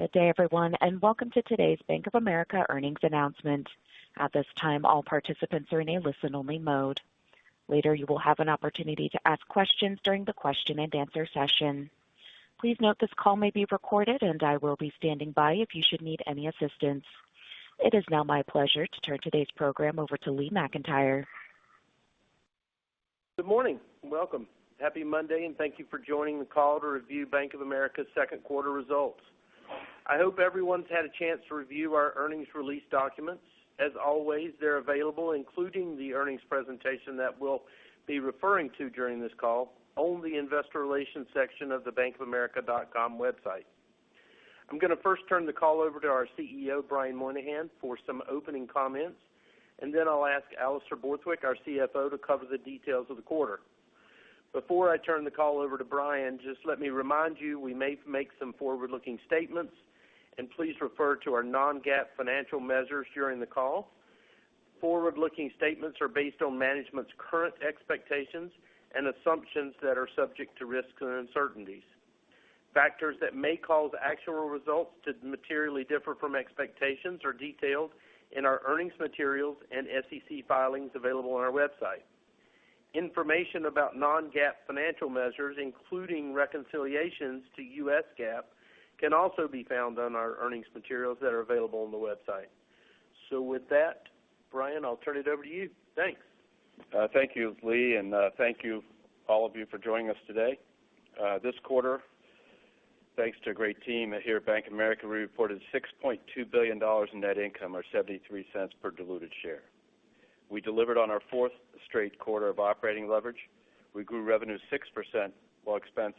Good day, everyone, and welcome to today's Bank of America earnings announcement. At this time, all participants are in a listen-only mode. Later, you will have an opportunity to ask questions during the question-and-answer session. Please note this call may be recorded, and I will be standing by if you should need any assistance. It is now my pleasure to turn today's program over to Lee McEntire. Good morning. Welcome. Happy Monday and thank you for joining the call to review Bank of America's second quarter results. I hope everyone's had a chance to review our earnings release documents. As always, they're available, including the earnings presentation that we'll be referring to during this call on the investor relations section of the bankofamerica.com website. I'm gonna first turn the call over to our CEO, Brian Moynihan, for some opening comments, and then I'll ask Alastair Borthwick, our CFO, to cover the details of the quarter. Before I turn the call over to Brian, just let me remind you, we may make some forward-looking statements, and please refer to our non-GAAP financial measures during the call. Forward-looking statements are based on management's current expectations and assumptions that are subject to risks and uncertainties. Factors that may cause actual results to materially differ from expectations are detailed in our earnings materials and SEC filings available on our website. Information about non-GAAP financial measures, including reconciliations to US GAAP, can also be found on our earnings materials that are available on the website. With that, Brian, I'll turn it over to you. Thanks. Thank you, Lee, and thank you all of you for joining us today. This quarter, thanks to a great team here at Bank of America, we reported $6.2 billion in net income or $0.73 per diluted share. We delivered on our fourth straight quarter of operating leverage. We grew revenue 6%, while expense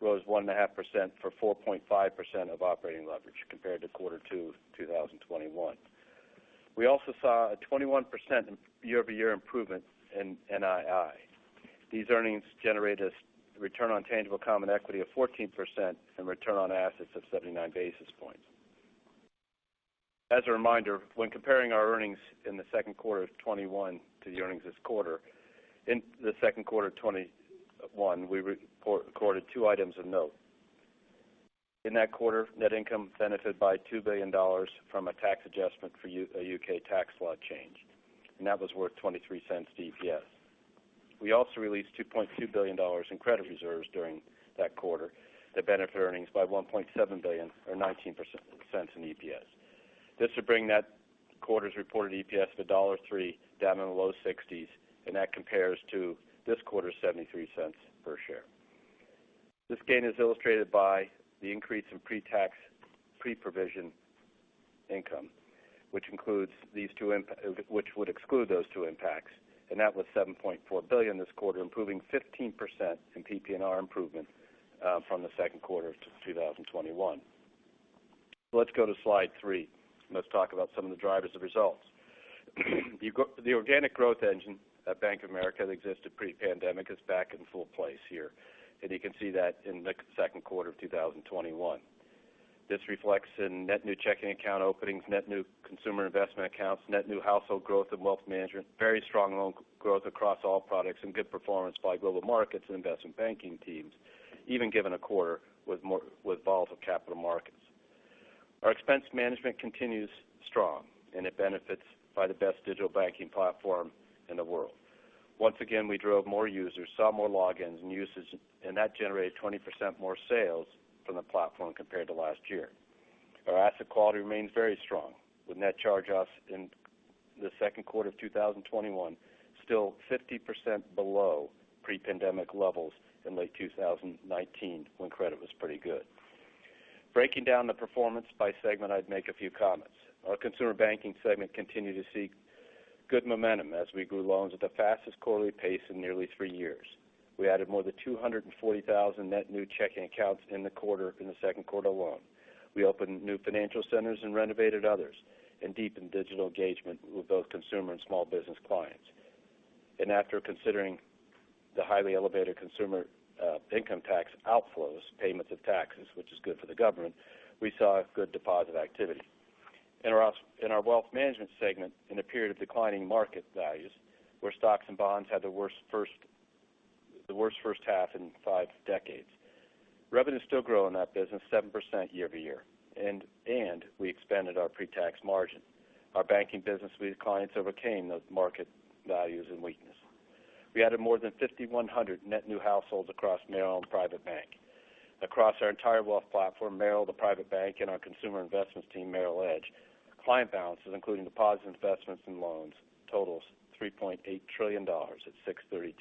rose 1.5% for 4.5% of operating leverage compared to quarter two, 2021. We also saw a 21% year-over-year improvement in NII. These earnings generated a return on tangible common equity of 14% and return on assets of 79 basis points. As a reminder, when comparing our earnings in the second quarter of 2021 to the earnings this quarter, in the second quarter of 2021, we recorded two items of note. In that quarter, net income benefited by $2 billion from a tax adjustment for a UK tax law change, and that was worth $0.23 to EPS. We also released $2.2 billion in credit reserves during that quarter that benefited earnings by $1.7 billion or 19 cents in EPS. This would bring that quarter's reported EPS of $1.03 down in the low 60s, and that compares to this quarter's $0.73 per share. This gain is illustrated by the increase in pre-tax, pre-provision income, which would exclude those two impacts, and that was $7.4 billion this quarter, improving 15% in PPNR improvement from the second quarter of 2021. Let's go to slide three. Let's talk about some of the drivers of results. The organic growth engine at Bank of America that existed pre-pandemic is back in full place here, and you can see that in the second quarter of 2021. This reflects in net new checking account openings, net new consumer investment accounts, net new household growth and wealth management, very strong loan growth across all products, and good performance by global markets and investment banking teams, even given a quarter with volatile capital markets. Our expense management continues strong, and it benefits by the best digital banking platform in the world. Once again, we drove more users, saw more logins, and usage, and that generated 20% more sales from the platform compared to last year. Our asset quality remains very strong, with net charge-offs in the second quarter of 2021 still 50% below pre-pandemic levels in late 2019 when credit was pretty good. Breaking down the performance by segment, I'd make a few comments. Our Consumer Banking segment continued to see good momentum as we grew loans at the fastest quarterly pace in nearly three years. We added more than 240,000 net new checking accounts in the quarter, in the second quarter alone. We opened new financial centers and renovated others and deepened digital engagement with both consumer and small business clients. After considering the highly elevated consumer income tax outflows, payments of taxes, which is good for the government, we saw good deposit activity. In our wealth management segment, in a period of declining market values, where stocks and bonds had the worst first half in five decades. Revenue is still growing in that business 7% year-over-year, and we expanded our pre-tax margin. Our banking business with clients overcame those market values and weakness. We added more than 5,100 net new households across Merrill and Private Bank. Across our entire wealth platform, Merrill, the Private Bank, and our consumer investments team, Merrill Edge, client balances, including deposits, investments, and loans, totals $3.8 trillion at 6/30/2022,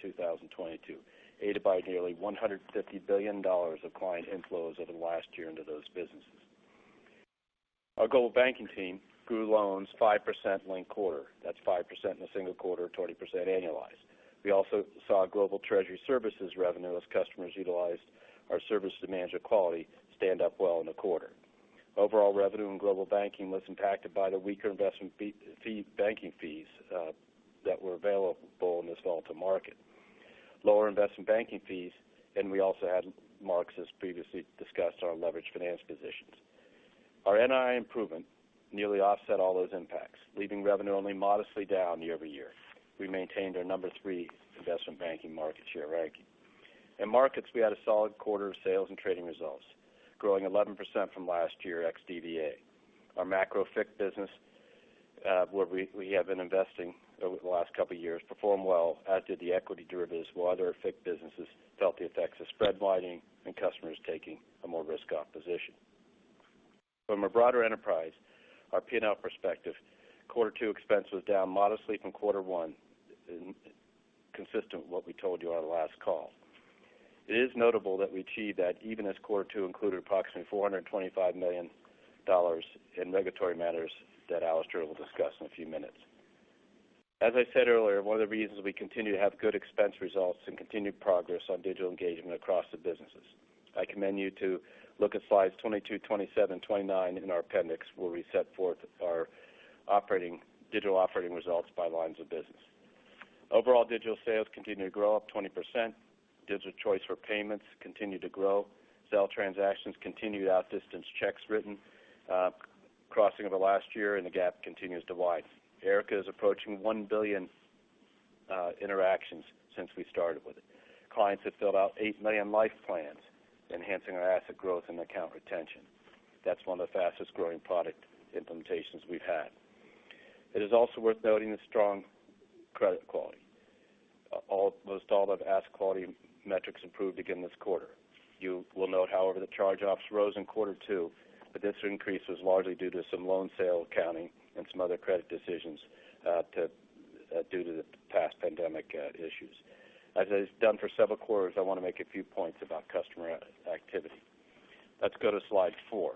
aided by nearly $150 billion of client inflows over the last year into those businesses. Our global banking team grew loans 5% linked quarter. That's 5% in a single quarter, 20% annualized. We also saw global treasury services revenue as customers utilized our service to manage cash and liquidity well in the quarter. Overall revenue in global banking was impacted by the weaker investment banking fees that were available in this volatile market. Lower investment banking fees, and we also had marks, as previously discussed, on our leverage finance positions. Our NII improvement nearly offset all those impacts, leaving revenue only modestly down year-over-year. We maintained our number three investment banking market share ranking. In markets, we had a solid quarter of sales and trading results, growing 11% from last year ex-DVA. Our macro FICC business, where we have been investing over the last couple years, performed well, as did the equity derivatives, while other FICC businesses felt the effects of spread widening and customers taking a more risk-off position. From a broader enterprise, our P&L perspective, quarter two expense was down modestly from quarter one, consistent with what we told you on our last call. It is notable that we achieved that even as quarter two included approximately $425 million in regulatory matters that Alastair will discuss in a few minutes. As I said earlier, one of the reasons we continue to have good expense results and continued progress on digital engagement across the businesses. I commend you to look at slides 22, 27, 29 in our appendix, where we set forth our digital operating results by lines of business. Overall digital sales continue to grow up 20%. Digital choice for payments continue to grow. Zelle transactions continued to outdistance checks written, crossing over last year, and the gap continues to widen. Erica is approaching 1 billion interactions since we started with it. Clients have filled out 8 million Life Plans, enhancing our asset growth and account retention. That's one of the fastest-growing product implementations we've had. It is also worth noting the strong credit quality. Almost all asset quality metrics improved again this quarter. You will note, however, the charge-offs rose in quarter two, but this increase was largely due to some loan sale accounting and some other credit decisions due to the past pandemic issues. As I've done for several quarters, I wanna make a few points about customer activity. Let's go to slide four.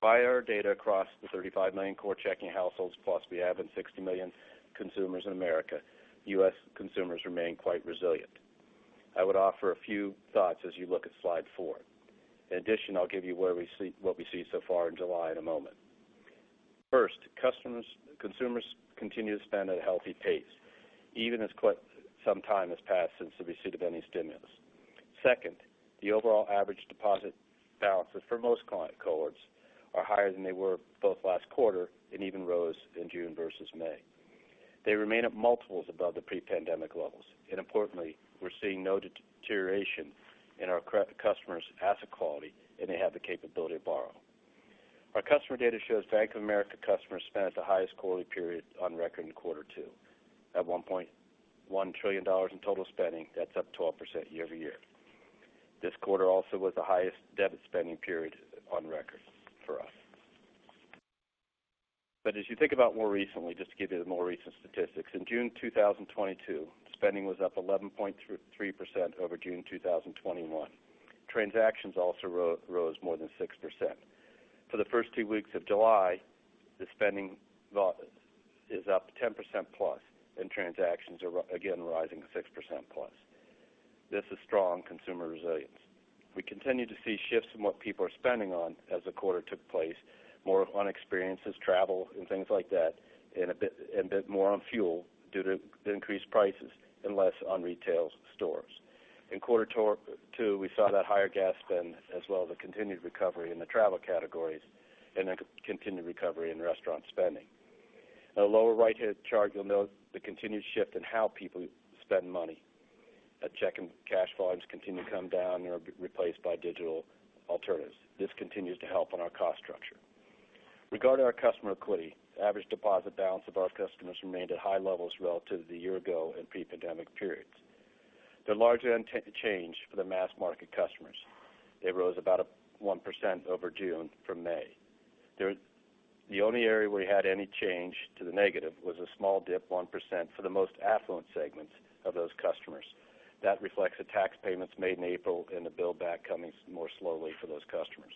By our data across the 35 million core checking households plus we have, and 60 million consumers in America, US consumers remain quite resilient. I would offer a few thoughts as you look at slide four. In addition, I'll give you what we see so far in July in a moment. First, consumers continue to spend at a healthy pace, even as quite some time has passed since the receipt of any stimulus. Second, the overall average deposit balances for most client cohorts are higher than they were both last quarter and even rose in June versus May. They remain at multiples above the pre-pandemic levels, and importantly, we're seeing no deterioration in our customers' asset quality, and they have the capability to borrow. Our customer data shows Bank of America customers spent at the highest quarterly period on record in quarter two. At $1.1 trillion in total spending, that's up 12% year-over-year. This quarter also was the highest debit spending period on record for us. As you think about more recently, just to give you the more recent statistics, in June 2022, spending was up 11.3% over June 2021. Transactions also rose more than 6%. For the first two weeks of July, the spending is up 10%+, and transactions are again rising 6%+. This is strong consumer resilience. We continue to see shifts in what people are spending on as the quarter took place, more on experiences, travel, and things like that, and a bit more on fuel due to the increased prices and less on retail stores. In quarter two, we saw that higher gas spend as well as a continued recovery in the travel categories and a continued recovery in restaurant spending. In the lower right-hand chart, you'll note the continued shift in how people spend money. Check and cash volumes continue to come down. They're replaced by digital alternatives. This continues to help on our cost structure. Regarding our customer equity, the average deposit balance of our customers remained at high levels relative to the year ago and pre-pandemic periods. The largely unchanged for the mass market customers, it rose about 1% over June from May. The only area we had any change to the negative was a small dip, 1%, for the most affluent segments of those customers. That reflects the tax payments made in April and the build-back coming more slowly for those customers.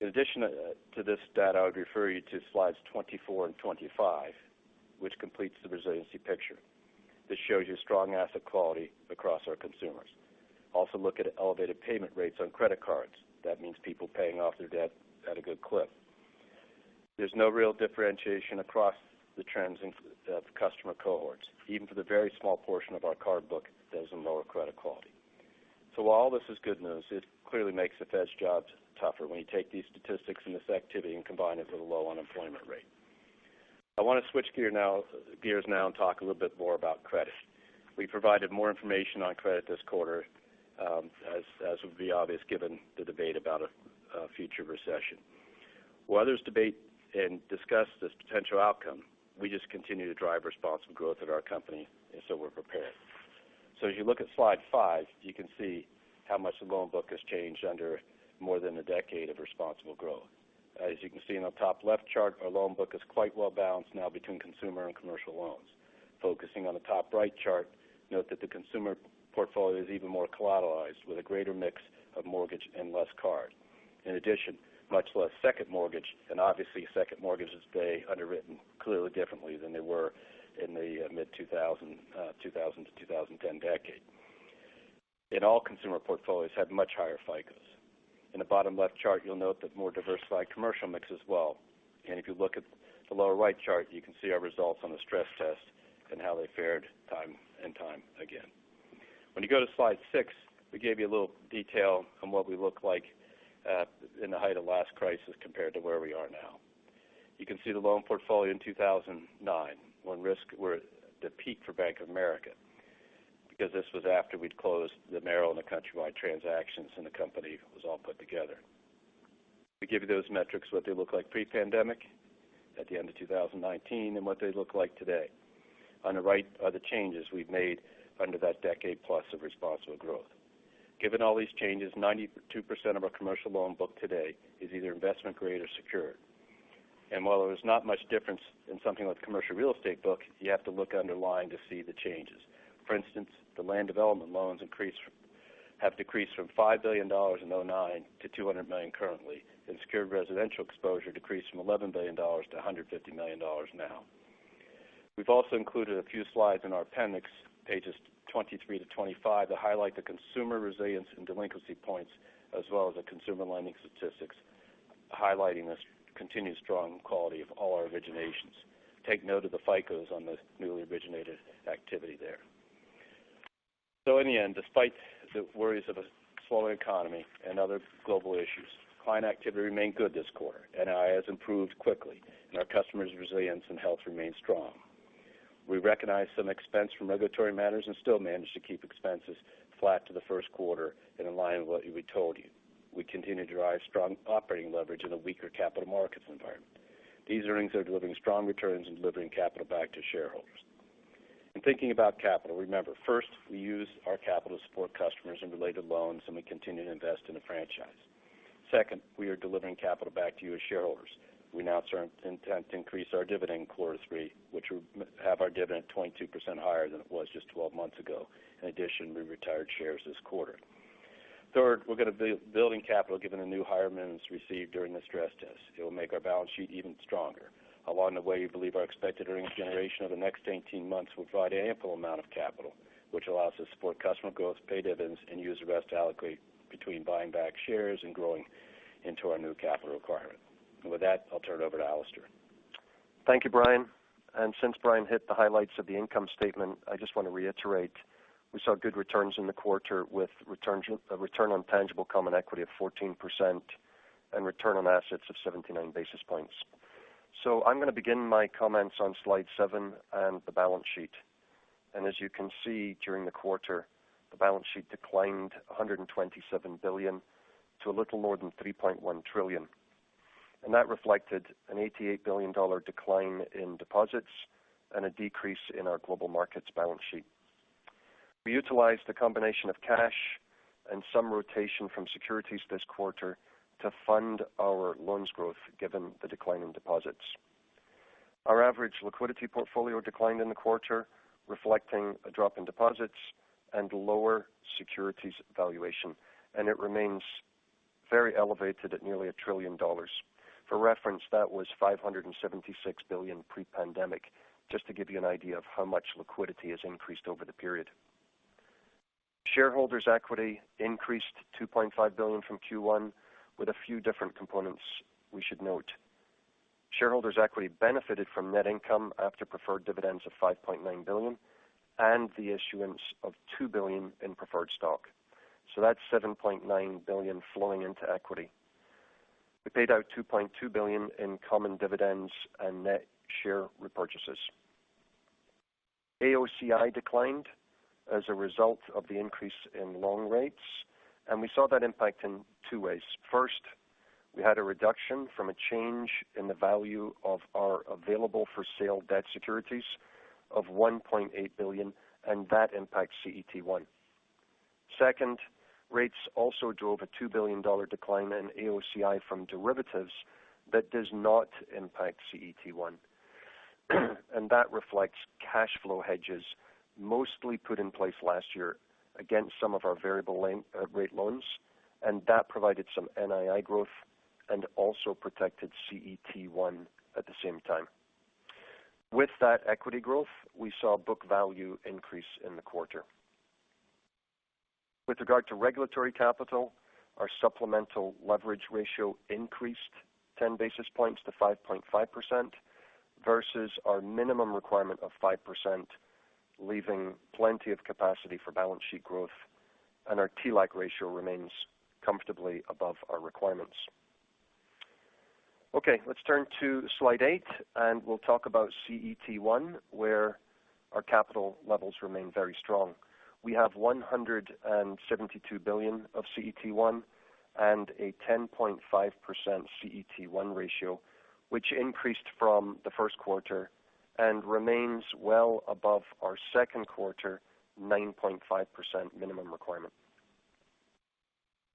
In addition, to this data, I would refer you to slides 24 and 25, which completes the resiliency picture. This shows you strong asset quality across our consumers. Also look at elevated payment rates on credit cards. That means people paying off their debt at a good clip. There's no real differentiation across the trends in FICO of customer cohorts, even for the very small portion of our card book that is in lower credit quality. So while all this is good news, it clearly makes the Fed's jobs tougher when you take these statistics and this activity and combine it with a low unemployment rate. I wanna switch gears now and talk a little bit more about credit. We provided more information on credit this quarter, as would be obvious, given the debate about a future recession. While others debate and discuss this potential outcome, we just continue to drive responsible growth at our company, and so we're prepared. As you look at slide five, you can see how much the loan book has changed under more than a decade of responsible growth. As you can see in the top left chart, our loan book is quite well balanced now between consumer and commercial loans. Focusing on the top right chart, note that the consumer portfolio is even more collateralized, with a greater mix of mortgage and less card. In addition, much less second mortgage, and obviously second mortgages today underwritten clearly differently than they were in the, mid-2000, 2000 to 2010 decade. In all consumer portfolios have much higher FICOs. In the bottom left chart, you'll note the more diversified commercial mix as well. If you look at the lower right chart, you can see our results on the stress test and how they fared time and time again. When you go to slide six, we gave you a little detail on what we look like in the height of last crisis compared to where we are now. You can see the loan portfolio in 2009 when risks were at the peak for Bank of America, because this was after we'd closed the Merrill and the Countrywide transactions, and the company was all put together. We give you those metrics, what they look like pre-pandemic at the end of 2019, and what they look like today. On the right are the changes we've made under that decade plus of responsible growth. Given all these changes, 92% of our commercial loan book today is either investment-grade or secured. While there is not much difference in something like the commercial real estate book, you have to look at the underlying to see the changes. For instance, the land development loans have decreased from $5 billion in 2009 to $200 million currently. Secured residential exposure decreased from $11 billion to $150 million now. We've also included a few slides in our appendix, pages 23-25, that highlight the consumer resilience and delinquency points as well as the consumer lending statistics, highlighting this continued strong quality of all our originations. Take note of the FICOs on the newly originated activity there. In the end, despite the worries of a slowing economy and other global issues, client activity remained good this quarter. NII has improved quickly, and our customers' resilience and health remain strong. We recognized some expense from regulatory matters and still managed to keep expenses flat to the first quarter and in line with what we told you. We continue to drive strong operating leverage in a weaker capital markets environment. These earnings are delivering strong returns and delivering capital back to shareholders. In thinking about capital, remember, first, we use our capital to support customers and related loans, and we continue to invest in the franchise. Second, we are delivering capital back to you as shareholders. We announced our intent to increase our dividend in quarter three, which will have our dividend 22% higher than it was just 12 months ago. In addition, we retired shares this quarter. Third, we're gonna be building capital given the new higher minimums received during the stress test. It will make our balance sheet even stronger. Along the way, we believe our expected earnings generation over the next 18 months will provide ample amount of capital, which allows us to support customer growth, pay dividends, and use the rest to allocate between buying back shares and growing into our new capital requirement. With that, I'll turn it over to Alastair. Thank you, Brian. Since Brian hit the highlights of the income statement, I just want to reiterate we saw good returns in the quarter with return on tangible common equity of 14% and return on assets of 79 basis points. I'm gonna begin my comments on slide seven and the balance sheet. As you can see, during the quarter, the balance sheet declined $127 billion to a little more than $3.1 trillion. That reflected an $88 billion dollar decline in deposits and a decrease in our Global Markets balance sheet. We utilized a combination of cash and some rotation from securities this quarter to fund our loans growth given the decline in deposits. Our average liquidity portfolio declined in the quarter, reflecting a drop in deposits and lower securities valuation, and it remains very elevated at nearly $1 trillion. For reference, that was $576 billion pre-pandemic, just to give you an idea of how much liquidity has increased over the period. Shareholders' equity increased $2.5 billion from Q1 with a few different components we should note. Shareholders' equity benefited from net income after preferred dividends of $5.9 billion and the issuance of $2 billion in preferred stock. That's $7.9 billion flowing into equity. We paid out $2.2 billion in common dividends and net share repurchases. AOCI declined as a result of the increase in loan rates, and we saw that impact in two ways. First, we had a reduction from a change in the value of our available-for-sale debt securities of $1.8 billion, and that impacts CET1. Second, rates also drove a $2 billion decline in AOCI from derivatives that does not impact CET1. That reflects cash flow hedges mostly put in place last year against some of our variable rate loans, and that provided some NII growth and also protected CET1 at the same time. With that equity growth, we saw book value increase in the quarter. With regard to regulatory capital, our supplemental leverage ratio increased 10 basis points to 5.5% versus our minimum requirement of 5%, leaving plenty of capacity for balance sheet growth, and our TLAC ratio remains comfortably above our requirements. Okay. Let's turn to slide eight, and we'll talk about CET1, where our capital levels remain very strong. We have $172 billion of CET1 and a 10.5% CET1 ratio, which increased from the first quarter and remains well above our second quarter 9.5% minimum requirement.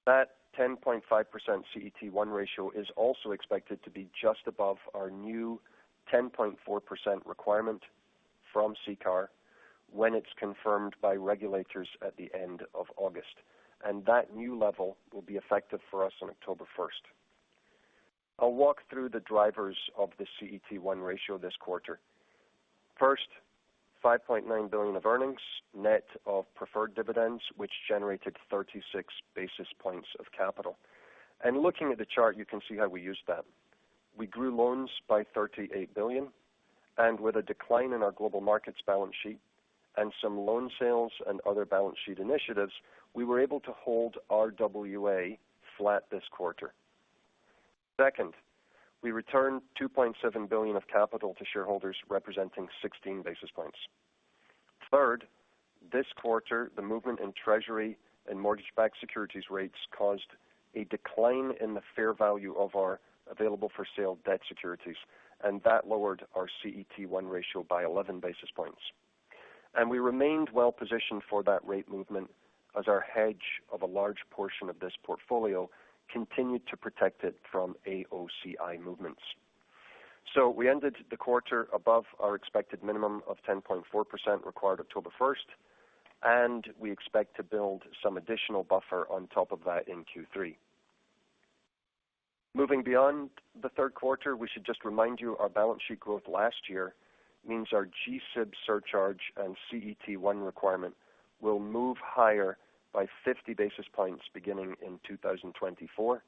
That 10.5% CET1 ratio is also expected to be just above our new 10.4% requirement from CCAR when it's confirmed by regulators at the end of August, and that new level will be effective for us on October first. I'll walk through the drivers of the CET1 ratio this quarter. First, $5.9 billion of earnings, net of preferred dividends, which generated 36 basis points of capital. Looking at the chart, you can see how we used that. We grew loans by $38 billion and with a decline in our Global Markets balance sheet and some loan sales and other balance sheet initiatives, we were able to hold RWA flat this quarter. Second, we returned $2.7 billion of capital to shareholders representing 16 basis points. Third, this quarter, the movement in treasury and mortgage-backed securities rates caused a decline in the fair value of our available for sale debt securities, and that lowered our CET1 ratio by 11 basis points. We remained well-positioned for that rate movement as our hedge of a large portion of this portfolio continued to protect it from AOCI movements. We ended the quarter above our expected minimum of 10.4% required October 1, and we expect to build some additional buffer on top of that in Q3. Moving beyond the third quarter, we should just remind you our balance sheet growth last year means our GSIB surcharge and CET1 requirement will move higher by 50 basis points beginning in 2024.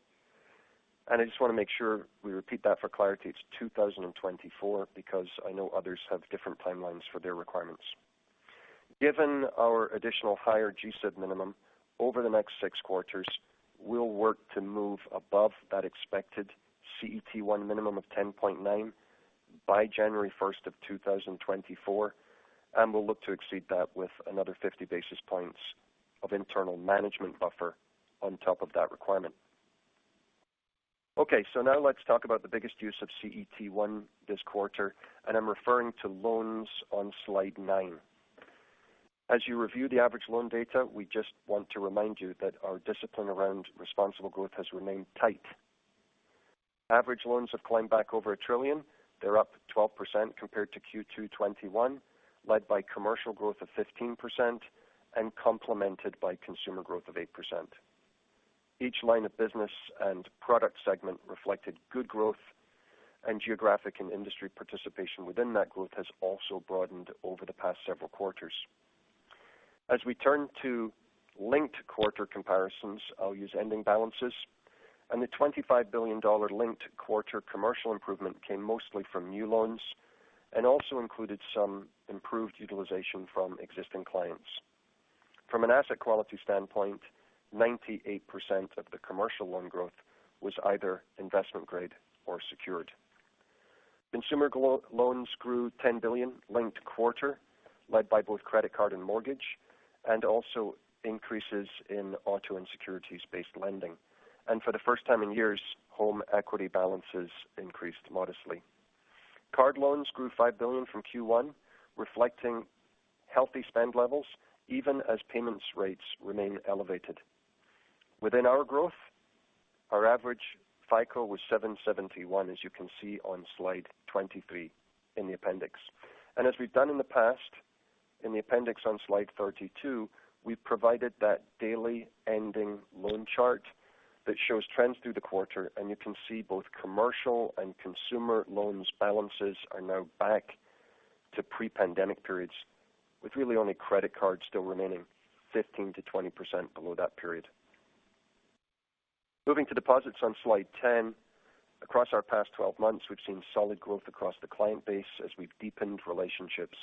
I just want to make sure we repeat that for clarity. It's 2024 because I know others have different timelines for their requirements. Given our additional higher GSIB minimum over the next six quarters, we'll work to move above that expected CET1 minimum of 10.9 by January 1, 2024, and we'll look to exceed that with another 50 basis points of internal management buffer on top of that requirement. Okay. Now let's talk about the biggest use of CET1 this quarter, and I'm referring to loans on slide nine. As you review the average loan data, we just want to remind you that our discipline around responsible growth has remained tight. Average loans have climbed back over $1 trillion. They're up 12% compared to Q2 2021, led by commercial growth of 15% and complemented by consumer growth of 8%. Each line of business and product segment reflected good growth and geographic and industry participation within that growth has also broadened over the past several quarters. As we turn to linked-quarter comparisons, I'll use ending balances, and the $25 billion linked-quarter commercial improvement came mostly from new loans and also included some improved utilization from existing clients. From an asset quality standpoint, 98% of the commercial loan growth was either investment-grade or secured. Consumer global loans grew $10 billion linked-quarter led by both credit card and mortgage, and also increases in auto and securities-based lending. For the first time in years, home equity balances increased modestly. Card loans grew $5 billion from Q1, reflecting healthy spend levels even as payment rates remain elevated. Within our growth, our average FICO was 771, as you can see on slide 23 in the appendix. As we've done in the past in the appendix on slide 32, we've provided that daily ending loan chart that shows trends through the quarter, and you can see both commercial and consumer loans balances are now back to pre-pandemic periods, with really only credit cards still remaining 15%-20% below that period. Moving to deposits on slide 10. Across our past 12 months, we've seen solid growth across the client base as we've deepened relationships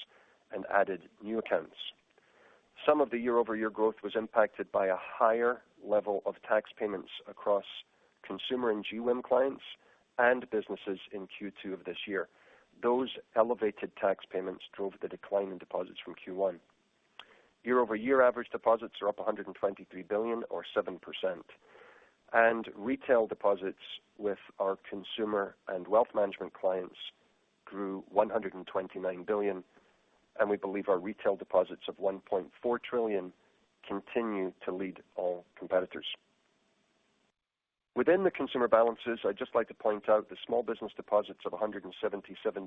and added new accounts. Some of the year-over-year growth was impacted by a higher level of tax payments across consumer and GWIM clients and businesses in Q2 of this year. Those elevated tax payments drove the decline in deposits from Q1. Year-over-year average deposits are up $123 billion or 7%. Retail deposits with our consumer and wealth management clients grew $129 billion, and we believe our retail deposits of $1.4 trillion continue to lead all competitors. Within the consumer balances, I'd just like to point out the small business deposits of $177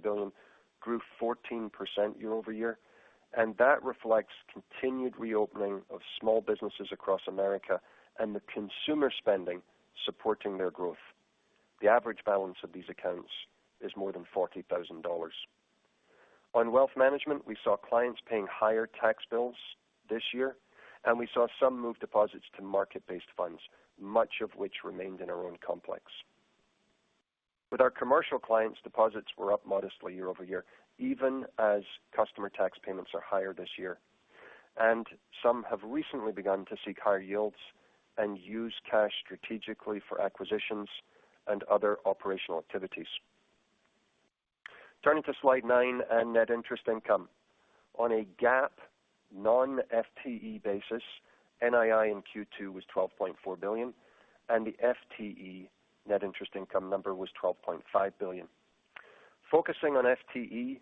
billion grew 14% year-over-year, and that reflects continued reopening of small businesses across America and the consumer spending supporting their growth. The average balance of these accounts is more than $40,000. On wealth management, we saw clients paying higher tax bills this year, and we saw some move deposits to market-based funds, much of which remained in our own complex. With our commercial clients, deposits were up modestly year-over-year, even as customer tax payments are higher this year. Some have recently begun to seek higher yields and use cash strategically for acquisitions and other operational activities. Turning to slide nine and net interest income. On a GAAP non-FTE basis, NII in Q2 was $12.4 billion, and the FTE net interest income number was $12.5 billion. Focusing on FTE,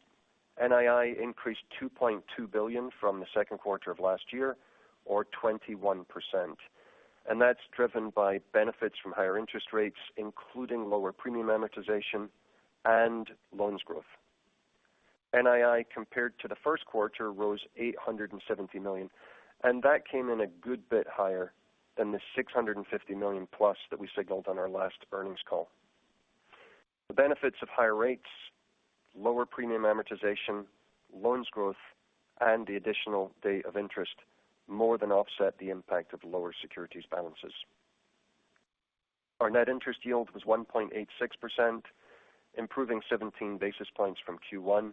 NII increased $2.2 billion from the second quarter of last year or 21%. That's driven by benefits from higher interest rates, including lower premium amortization and loan growth. NII compared to the first quarter rose $870 million, and that came in a good bit higher than the $650 million-plus that we signaled on our last earnings call. The benefits of higher rates, lower premium amortization, loan growth, and the additional day of interest more than offset the impact of lower securities balances. Our net interest yield was 1.86%, improving 17 basis points from Q1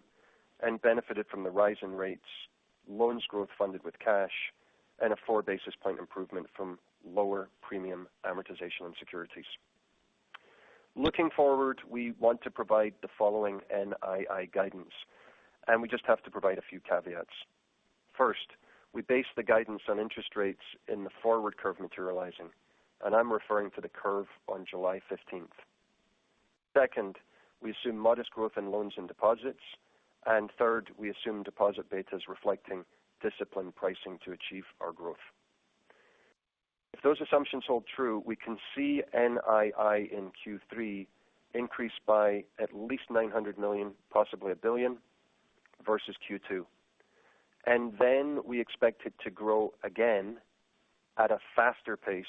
and benefited from the rise in rates, loans growth funded with cash, and a 4 basis point improvement from lower premium amortization and securities. Looking forward, we want to provide the following NII guidance, and we just have to provide a few caveats. First, we base the guidance on interest rates in the forward curve materializing, and I'm referring to the curve on July fifteenth. Second, we assume modest growth in loans and deposits. Third, we assume deposit betas reflecting disciplined pricing to achieve our growth. If those assumptions hold true, we can see NII in Q3 increase by at least $900 million, possibly $1 billion versus Q2. We expect it to grow again at a faster pace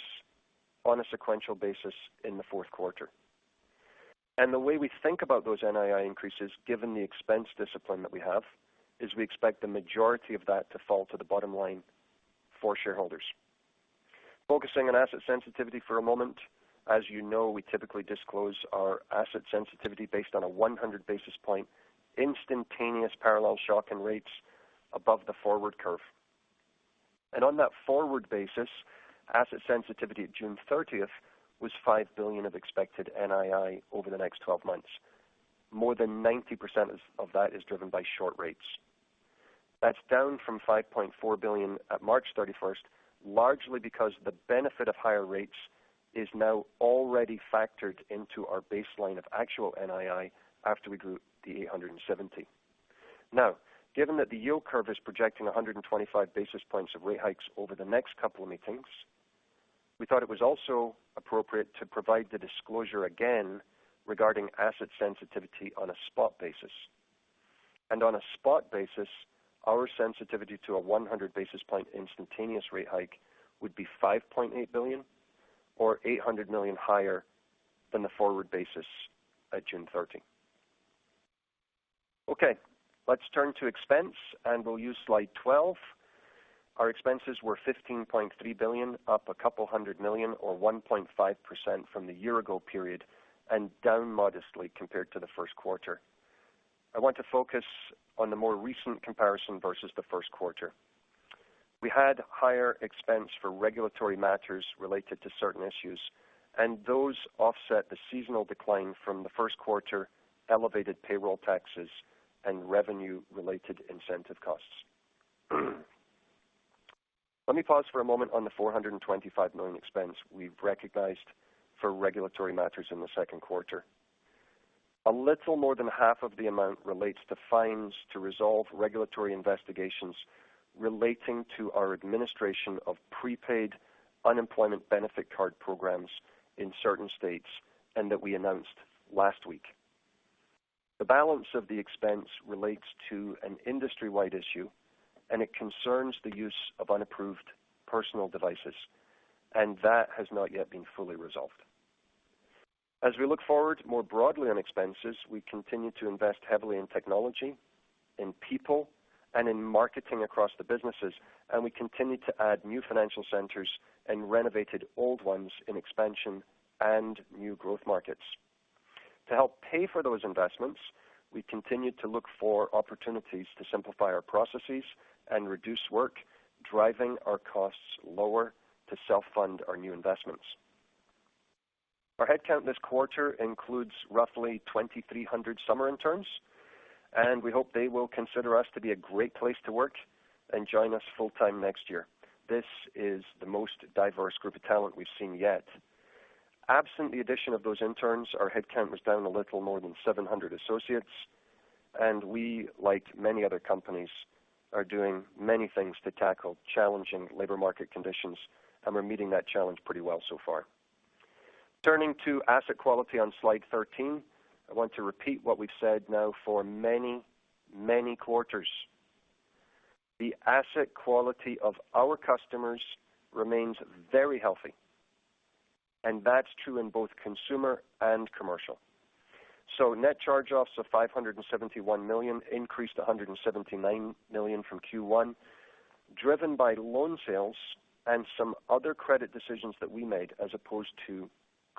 on a sequential basis in the fourth quarter. The way we think about those NII increases, given the expense discipline that we have, is we expect the majority of that to fall to the bottom line for shareholders. Focusing on asset sensitivity for a moment. As you know, we typically disclose our asset sensitivity based on a 100 basis point instantaneous parallel shock in rates above the forward curve. On that forward basis, asset sensitivity at June 30 was $5 billion of expected NII over the next 12 months. More than 90% of that is driven by short rates. That's down from $5.4 billion at March 31, largely because the benefit of higher rates is now already factored into our baseline of actual NII after we grew the 870. Now, given that the yield curve is projecting 125 basis points of rate hikes over the next couple of meetings, we thought it was also appropriate to provide the disclosure again regarding asset sensitivity on a spot basis. On a spot basis, our sensitivity to a 100 basis point instantaneous rate hike would be $5.8 billion or $800 million higher than the forward basis at June 13. Okay, let's turn to expenses and we'll use slide 12. Our expenses were $15.3 billion, up a couple of hundred million or 1.5% from the year ago period, and down modestly compared to the first quarter. I want to focus on the more recent comparison versus the first quarter. We had higher expense for regulatory matters related to certain issues, and those offset the seasonal decline from the first quarter, elevated payroll taxes and revenue-related incentive costs. Let me pause for a moment on the $425 million expense we've recognized for regulatory matters in the second quarter. A little more than half of the amount relates to fines to resolve regulatory investigations relating to our administration of prepaid unemployment benefit card programs in certain states, and that we announced last week. The balance of the expense relates to an industry-wide issue, and it concerns the use of unapproved personal devices, and that has not yet been fully resolved. As we look forward more broadly on expenses, we continue to invest heavily in technology, in people, and in marketing across the businesses, and we continue to add new financial centers and renovated old ones in expansion and new growth markets. To help pay for those investments, we continue to look for opportunities to simplify our processes and reduce work, driving our costs lower to self-fund our new investments. Our headcount this quarter includes roughly 2,300 summer interns, and we hope they will consider us to be a great place to work and join us full time next year. This is the most diverse group of talent we've seen yet. Absent the addition of those interns, our headcount was down a little more than 700 associates, and we, like many other companies, are doing many things to tackle challenging labor market conditions, and we're meeting that challenge pretty well so far. Turning to asset quality on slide 13, I want to repeat what we've said now for many, many quarters. The asset quality of our customers remains very healthy, and that's true in both consumer and commercial. Net charge-offs of $571 million increased to $179 million from Q1, driven by loan sales and some other credit decisions that we made as opposed to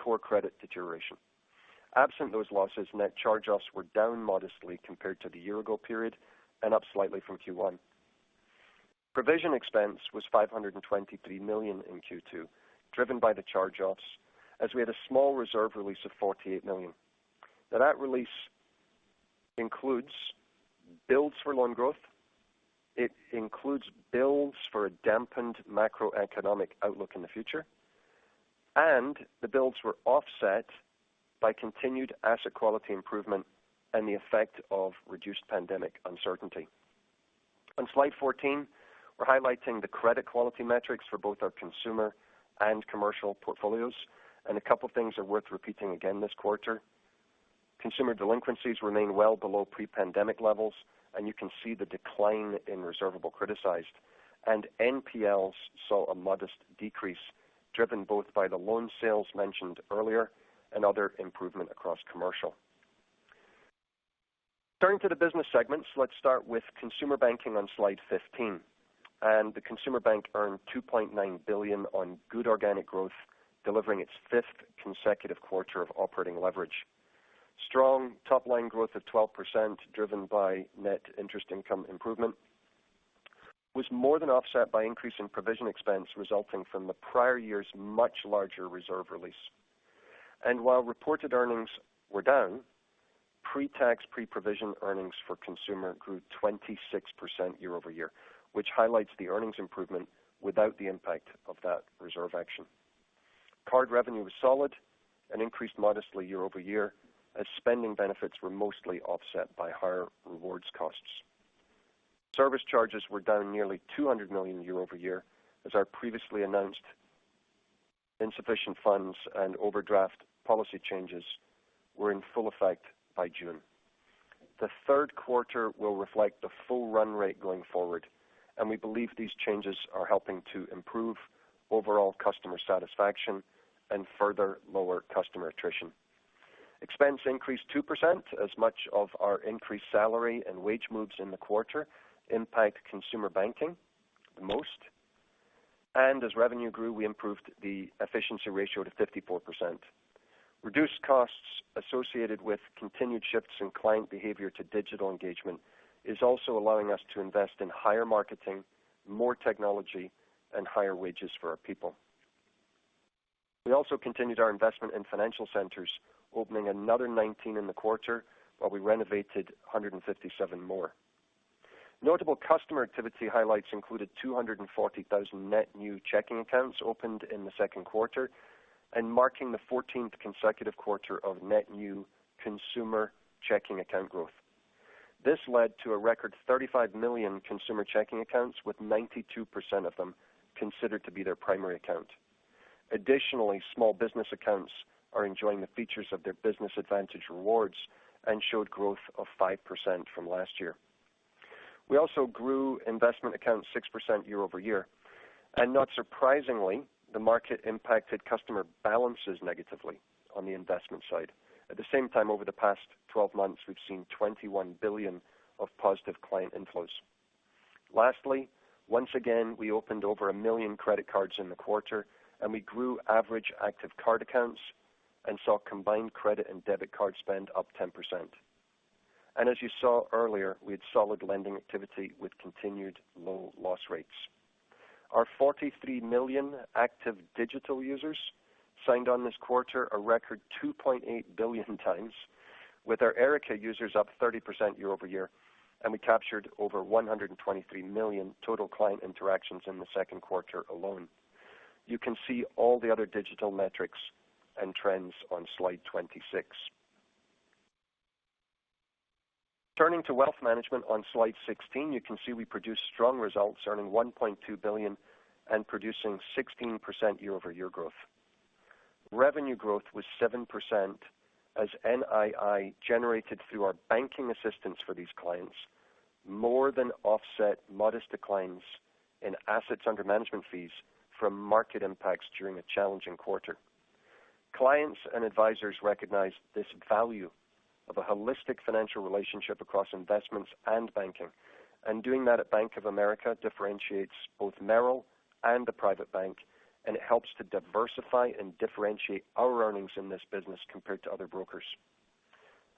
core credit deterioration. Absent those losses, net charge-offs were down modestly compared to the year ago period and up slightly from Q1. Provision expense was $523 million in Q2, driven by the charge-offs, as we had a small reserve release of $48 million. Now that release includes builds for loan growth. It includes builds for a dampened macroeconomic outlook in the future, and the builds were offset by continued asset quality improvement and the effect of reduced pandemic uncertainty. On slide 14, we're highlighting the credit quality metrics for both our consumer and commercial portfolios, and a couple of things are worth repeating again this quarter. Consumer delinquencies remain well below pre-pandemic levels, and you can see the decline in reservable criticized. NPLs saw a modest decrease, driven both by the loan sales mentioned earlier and other improvement across commercial. Turning to the business segments, let's start with Consumer Banking on slide 15. The consumer bank earned $2.9 billion on good organic growth, delivering its 5th consecutive quarter of operating leverage. Strong top line growth of 12% driven by net interest income improvement was more than offset by increase in provision expense resulting from the prior year's much larger reserve release. While reported earnings were down, pre-tax, pre-provision earnings for consumer grew 26% year-over-year, which highlights the earnings improvement without the impact of that reserve action. Card revenue was solid and increased modestly year-over-year as spending benefits were mostly offset by higher rewards costs. Service charges were down nearly $200 million year-over-year as our previously announced insufficient funds and overdraft policy changes were in full effect by June. The third quarter will reflect the full run rate going forward, and we believe these changes are helping to improve overall customer satisfaction and further lower customer attrition. Expense increased 2% as much of our increased salary and wage moves in the quarter impact Consumer Banking the most. As revenue grew, we improved the efficiency ratio to 54%. Reduced costs associated with continued shifts in client behavior to digital engagement is also allowing us to invest in higher marketing, more technology, and higher wages for our people. We also continued our investment in financial centers, opening another 19 in the quarter while we renovated 157 more. Notable customer activity highlights included 240,000 net new checking accounts opened in the second quarter and marking the 14th consecutive quarter of net new consumer checking account growth. This led to a record 35 million consumer checking accounts, with 92% of them considered to be their primary account. Additionally, small business accounts are enjoying the features of their Business Advantage rewards and showed growth of 5% from last year. We also grew investment accounts 6% year-over-year, and not surprisingly, the market impacted customer balances negatively on the investment side. At the same time, over the past 12 months, we've seen $21 billion of positive client inflows. Lastly, once again, we opened over 1 million credit cards in the quarter, and we grew average active card accounts and saw combined credit and debit card spend up 10%. As you saw earlier, we had solid lending activity with continued low loss rates. Our 43 million active digital users signed on this quarter a record 2.8 billion times with our Erica users up 30% year-over-year, and we captured over 123 million total client interactions in the second quarter alone. You can see all the other digital metrics and trends on slide 26. Turning to Wealth Management on slide 16, you can see we produced strong results, earning $1.2 billion and producing 16% year-over-year growth. Revenue growth was 7% as NII generated through our banking assistance for these clients more than offset modest declines in assets under management fees from market impacts during a challenging quarter. Clients and advisors recognize this value of a holistic financial relationship across investments and banking, and doing that at Bank of America differentiates both Merrill and the private bank, and it helps to diversify and differentiate our earnings in this business compared to other brokers.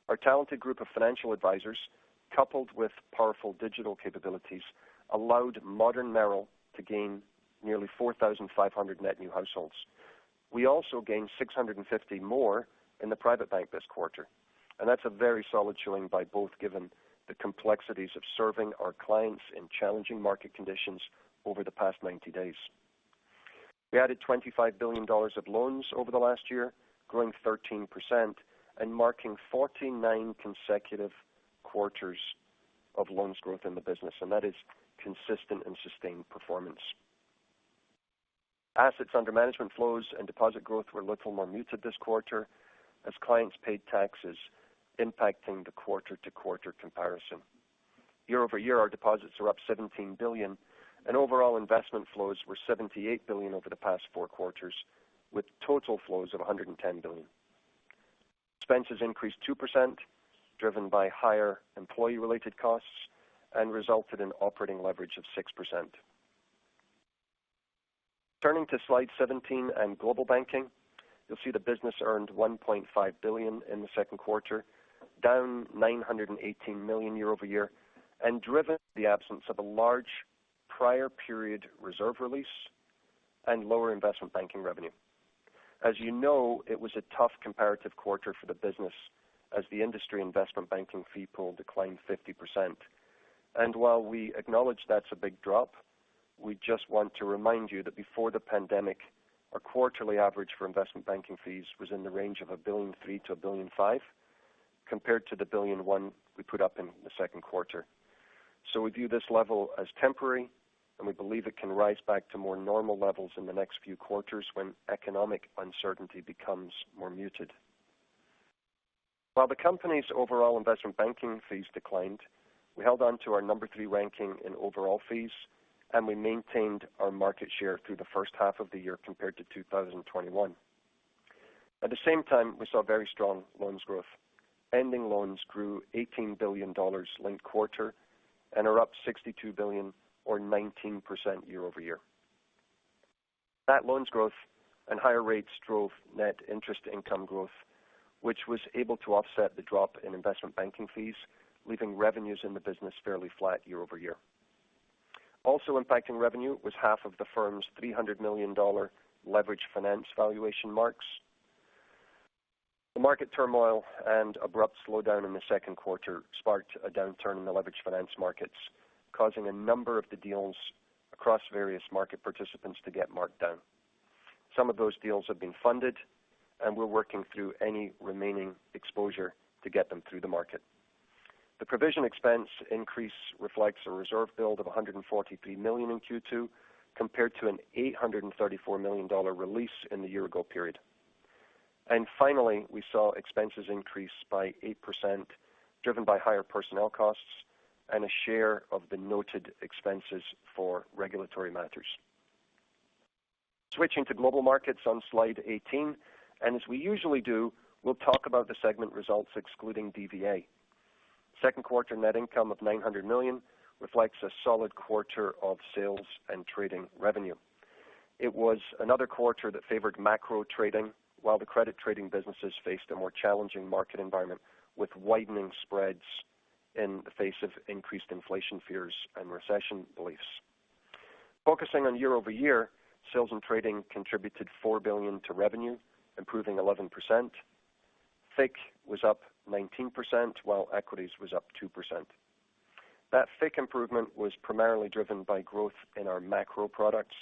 Our talented group of financial advisors, coupled with powerful digital capabilities, allowed modern Merrill to gain nearly 4,500 net new households. We also gained 650 more in the private bank this quarter, and that's a very solid showing by both given the complexities of serving our clients in challenging market conditions over the past 90 days. We added $25 billion of loans over the last year, growing 13% and marking 49 consecutive quarters of loans growth in the business, and that is consistent and sustained performance. Assets under management flows and deposit growth were a little more muted this quarter as clients paid taxes impacting the quarter-to-quarter comparison. Year-over-year, our deposits are up $17 billion, and overall investment flows were $78 billion over the past four quarters, with total flows of $110 billion. Expenses increased 2%, driven by higher employee-related costs and resulted in operating leverage of 6%. Turning to slide 17 and Global Banking, you'll see the business earned $1.5 billion in the second quarter, down $918 million year-over-year, and driven by the absence of a large prior period reserve release and lower investment banking revenue. As you know, it was a tough comparative quarter for the business as the industry investment banking fee pool declined 50%. While we acknowledge that's a big drop, we just want to remind you that before the pandemic, our quarterly average for investment banking fees was in the range of $1.3 billion-$1.5 billion, compared to the $1.1 billion we put up in the second quarter. We view this level as temporary, and we believe it can rise back to more normal levels in the next few quarters when economic uncertainty becomes more muted. While the company's overall investment banking fees declined, we held on to our number three ranking in overall fees, and we maintained our market share through the first half of the year compared to 2021. At the same time, we saw very strong loans growth. Ending loans grew $18 billion linked quarter and are up $62 billion or 19% year-over-year. Loan growth and higher rates drove net interest income growth, which was able to offset the drop in investment banking fees, leaving revenues in the business fairly flat year-over-year. Also impacting revenue was half of the firm's $300 million leverage finance valuation marks. The market turmoil and abrupt slowdown in the second quarter sparked a downturn in the leveraged finance markets, causing a number of the deals across various market participants to get marked down. Some of those deals have been funded and we're working through any remaining exposure to get them through the market. The provision expense increase reflects a reserve build of $143 million in Q2 compared to an $834 million release in the year ago period. Finally, we saw expenses increase by 8% driven by higher personnel costs and a share of the noted expenses for regulatory matters. Switching to Global Markets on slide 18, and as we usually do, we'll talk about the segment results excluding DVA. Second quarter net income of $900 million reflects a solid quarter of sales and trading revenue. It was another quarter that favored macro trading while the credit trading businesses faced a more challenging market environment with widening spreads in the face of increased inflation fears and recession beliefs. Focusing on year-over-year, sales and trading contributed $4 billion to revenue, improving 11%. FICC was up 19%, while equities was up 2%. That FICC improvement was primarily driven by growth in our macro products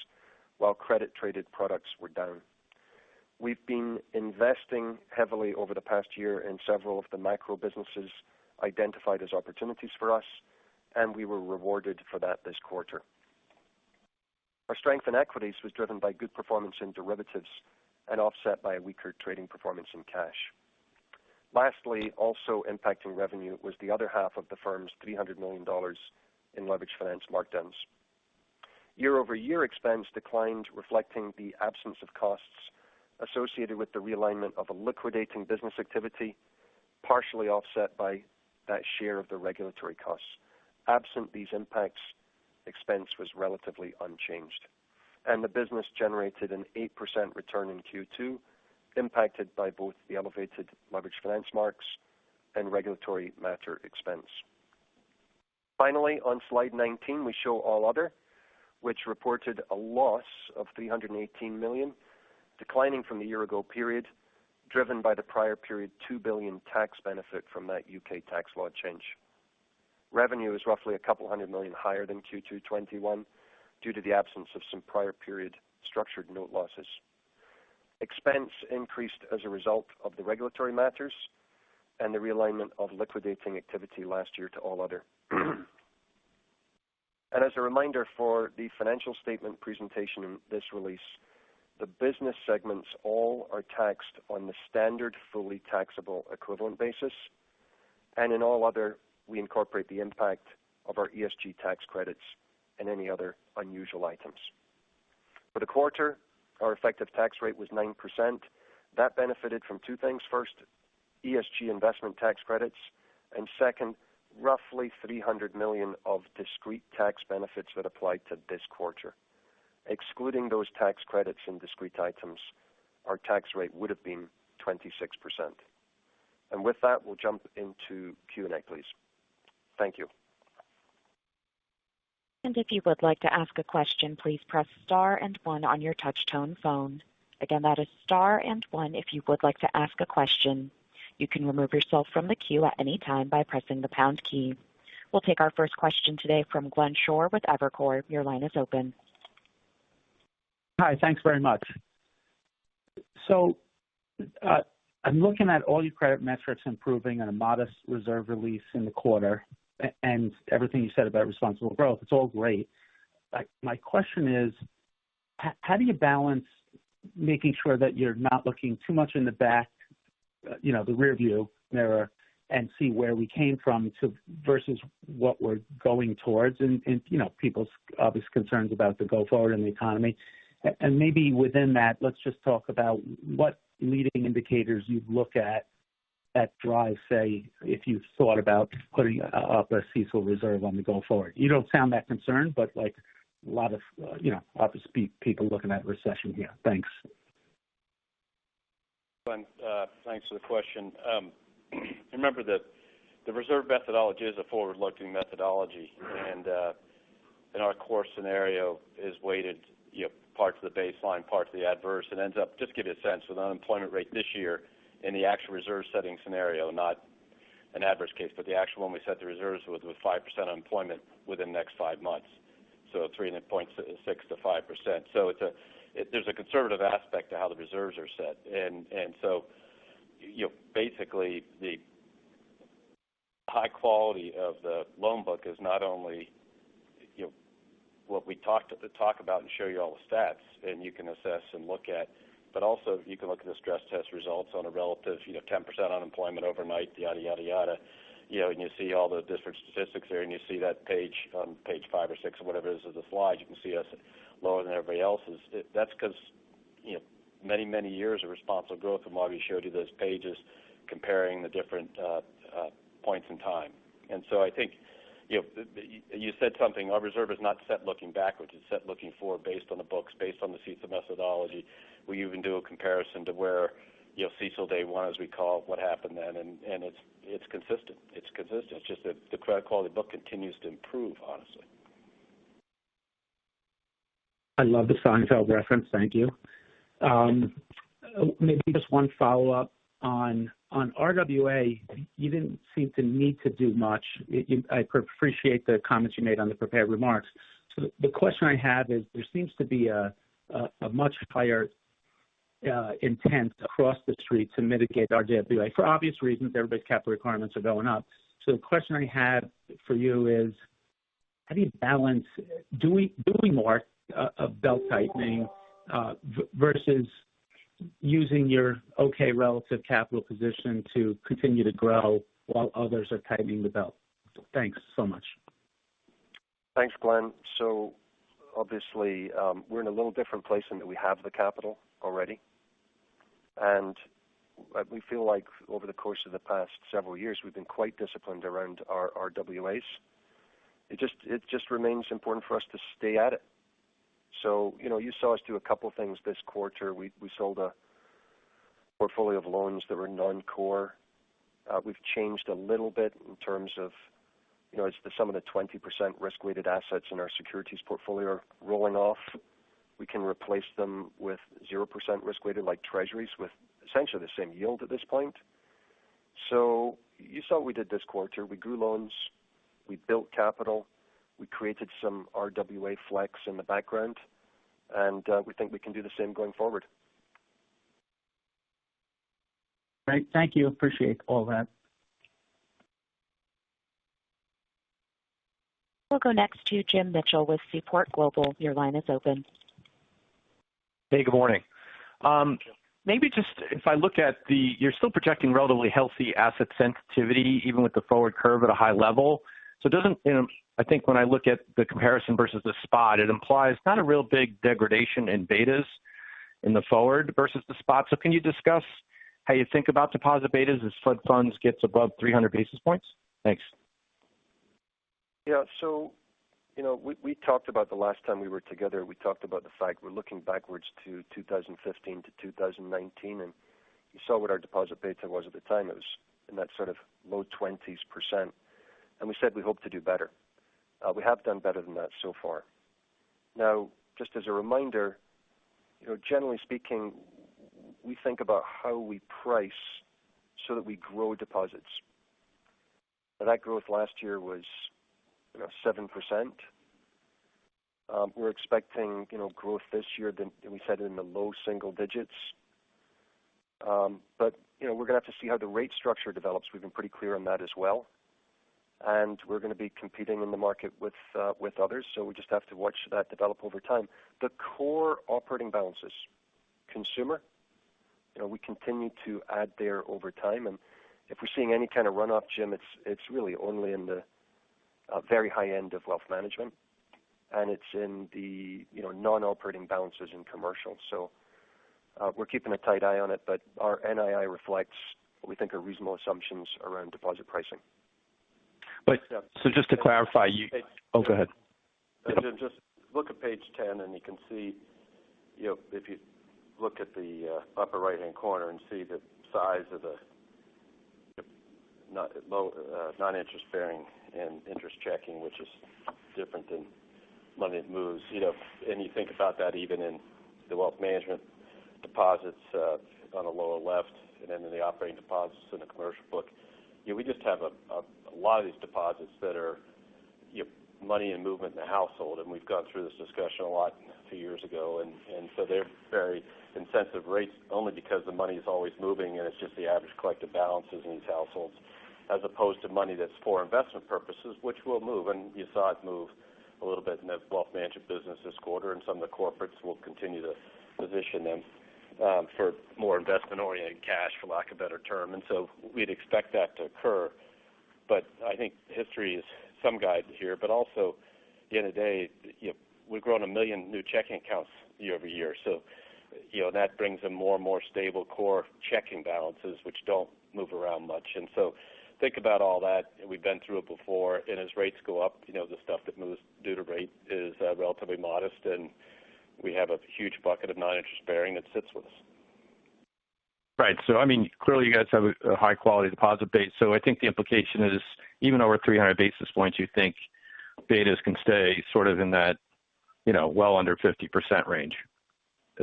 while credit traded products were down. We've been investing heavily over the past year in several of the macro businesses identified as opportunities for us, and we were rewarded for that this quarter. Our strength in equities was driven by good performance in derivatives and offset by a weaker trading performance in cash. Lastly, also impacting revenue was the other half of the firm's $300 million in leveraged finance markdowns. Year-over-year, expense declined, reflecting the absence of costs associated with the realignment of a liquidating business activity, partially offset by that share of the regulatory costs. Absent these impacts, expense was relatively unchanged, and the business generated an 8% return in Q2, impacted by both the elevated leveraged finance marks and regulatory matter expense. Finally, on slide 19, we show all other, which reported a loss of $318 million, declining from the year ago period, driven by the prior period $2 billion tax benefit from that UK tax law change. Revenue is roughly $200 million higher than Q2 2021 due to the absence of some prior period structured note losses. Expense increased as a result of the regulatory matters and the realignment of liquidating activity last year to all other. As a reminder for the financial statement presentation in this release, the business segments all are taxed on the standard fully taxable equivalent basis. In all other, we incorporate the impact of our ESG tax credits and any other unusual items. For the quarter, our effective tax rate was 9%. That benefited from two things. First, ESG investment tax credits. Second, roughly $300 million of discrete tax benefits that applied to this quarter. Excluding those tax credits and discrete items, our tax rate would have been 26%. With that, we'll jump into Q&A, please. Thank you. If you would like to ask a question, please press star and one on your touch tone phone. Again, that is star and one if you would like to ask a question. You can remove yourself from the queue at any time by pressing the pound key. We'll take our first question today from Glenn Schorr with Evercore. Your line is open. Hi. Thanks very much. I'm looking at all your credit metrics improving on a modest reserve release in the quarter and everything you said about responsible growth. It's all great. My question is, how do you balance making sure that you're not looking too much in the back, you know, the rearview mirror and see where we came from to versus what we're going towards and, you know, people's obvious concerns about the go forward in the economy. And maybe within that, let's just talk about what leading indicators you'd look at that drive, say, if you thought about putting up a CECL reserve on the go forward. You don't sound that concerned, but like a lot of, you know, obviously people looking at recession here. Thanks. Glenn, thanks for the question. Remember that the reserve methodology is a forward-looking methodology, and our core scenario is weighted, you know, parts of the baseline, parts of the adverse. It ends up just give you a sense with unemployment rate this year in the actual reserve setting scenario, not an adverse case, but the actual one we set the reserves was with 5% unemployment within the next five months. 3.6%-5%. It's a, there's a conservative aspect to how the reserves are set. You know, basically the High quality of the loan book is not only, you know, what we talk about and show you all the stats and you can assess and look at, but also you can look at the stress test results on a relative, you know, 10% unemployment overnight, yada, yada. You know, and you see all the different statistics there, and you see that page on page five or six or whatever it is of the slide, you can see us lower than everybody else's. That's because, you know, many, many years of responsible growth from what we showed you those pages comparing the different points in time. I think, you know, you said something. Our reserve is not set looking back, which is set looking forward based on the books, based on the CECL methodology. We even do a comparison to where, you know, CECL day one as we call what happened then, and it's consistent. It's just that the credit quality book continues to improve, honestly. I love the Seinfeld reference. Thank you. Maybe just one follow-up on RWA. You didn't seem to need to do much. I appreciate the comments you made on the prepared remarks. The question I have is there seems to be a much higher intent across the street to mitigate RWA. For obvious reasons, everybody's capital requirements are going up. The question I had for you is, how do you balance, do we more of belt-tightening versus using your okay relative capital position to continue to grow while others are tightening the belt? Thanks so much. Thanks, Glenn. Obviously, we're in a little different place in that we have the capital already. We feel like over the course of the past several years, we've been quite disciplined around our RWAs. It just remains important for us to stay at it. You know, you saw us do a couple of things this quarter. We sold a portfolio of loans that were non-core. We've changed a little bit in terms of, you know, as some of the 20% risk-weighted assets in our securities portfolio are rolling off. We can replace them with 0% risk-weighted like Treasuries with essentially the same yield at this point. You saw what we did this quarter. We grew loans, we built capital, we created some RWA flex in the background, and we think we can do the same going forward. Great. Thank you. Appreciate all that. We'll go next to James Mitchell with Seaport Global Securities. Your line is open. Hey, good morning. Maybe just if I look at the. You're still projecting relatively healthy asset sensitivity even with the forward curve at a high level. It doesn't, you know, I think when I look at the comparison versus the spot, it implies not a real big degradation in betas in the forward versus the spot. Can you discuss how you think about deposit betas as Fed funds gets above 300 basis points? Thanks. Yeah. You know, we talked about the last time we were together, we talked about the fact we're looking backwards to 2015-2019, and you saw what our deposit beta was at the time. It was in that sort of low 20s%. We said we hope to do better. We have done better than that so far. Now, just as a reminder, you know, generally speaking, we think about how we price so that we grow deposits. That growth last year was, you know, 7%. We're expecting, you know, growth this year than we said in the low single digits%. You know, we're going to have to see how the rate structure develops. We've been pretty clear on that as well. We're going to be competing in the market with others, so we just have to watch that develop over time. The core operating balances, consumer, you know, we continue to add there over time. If we're seeing any kind of runoff, Jim, it's really only in the very high end of wealth management, and it's in the, you know, non-operating balances in commercial. We're keeping a tight eye on it, but our NII reflects what we think are reasonable assumptions around deposit pricing. Just to clarify you Yeah. Oh, go ahead. Just look at page ten, and you can see, you know, if you look at the upper right-hand corner and see the size of the non-interest-bearing and interest checking, which is different than money that moves, you know. You think about that even in the wealth management deposits on the lower left and then in the operating deposits in the commercial book. You know, we just have a lot of these deposits that are, you know, money in movement in the household, and we've gone through this discussion a lot a few years ago. They're very insensitive to rates only because the money is always moving, and it's just the average collective balances in these households as opposed to money that's for investment purposes, which will move. You saw it move a little bit in the Wealth Management business this quarter, and some of the corporates will continue to position them for more investment-oriented cash, for lack of a better term. We'd expect that to occur. I think history is some guidance here. At the end of the day, you know, we've grown 1 million new checking accounts year-over-year. You know, that brings in more and more stable core checking balances, which don't move around much. Think about all that. We've been through it before. As rates go up, you know, the stuff that moves due to rate is relatively modest, and we have a huge bucket of non-interest bearing that sits with us. Right. I mean, clearly, you guys have a high-quality deposit base. I think the implication is even over 300 basis points, you think betas can stay sort of in that, you know, well under 50% range.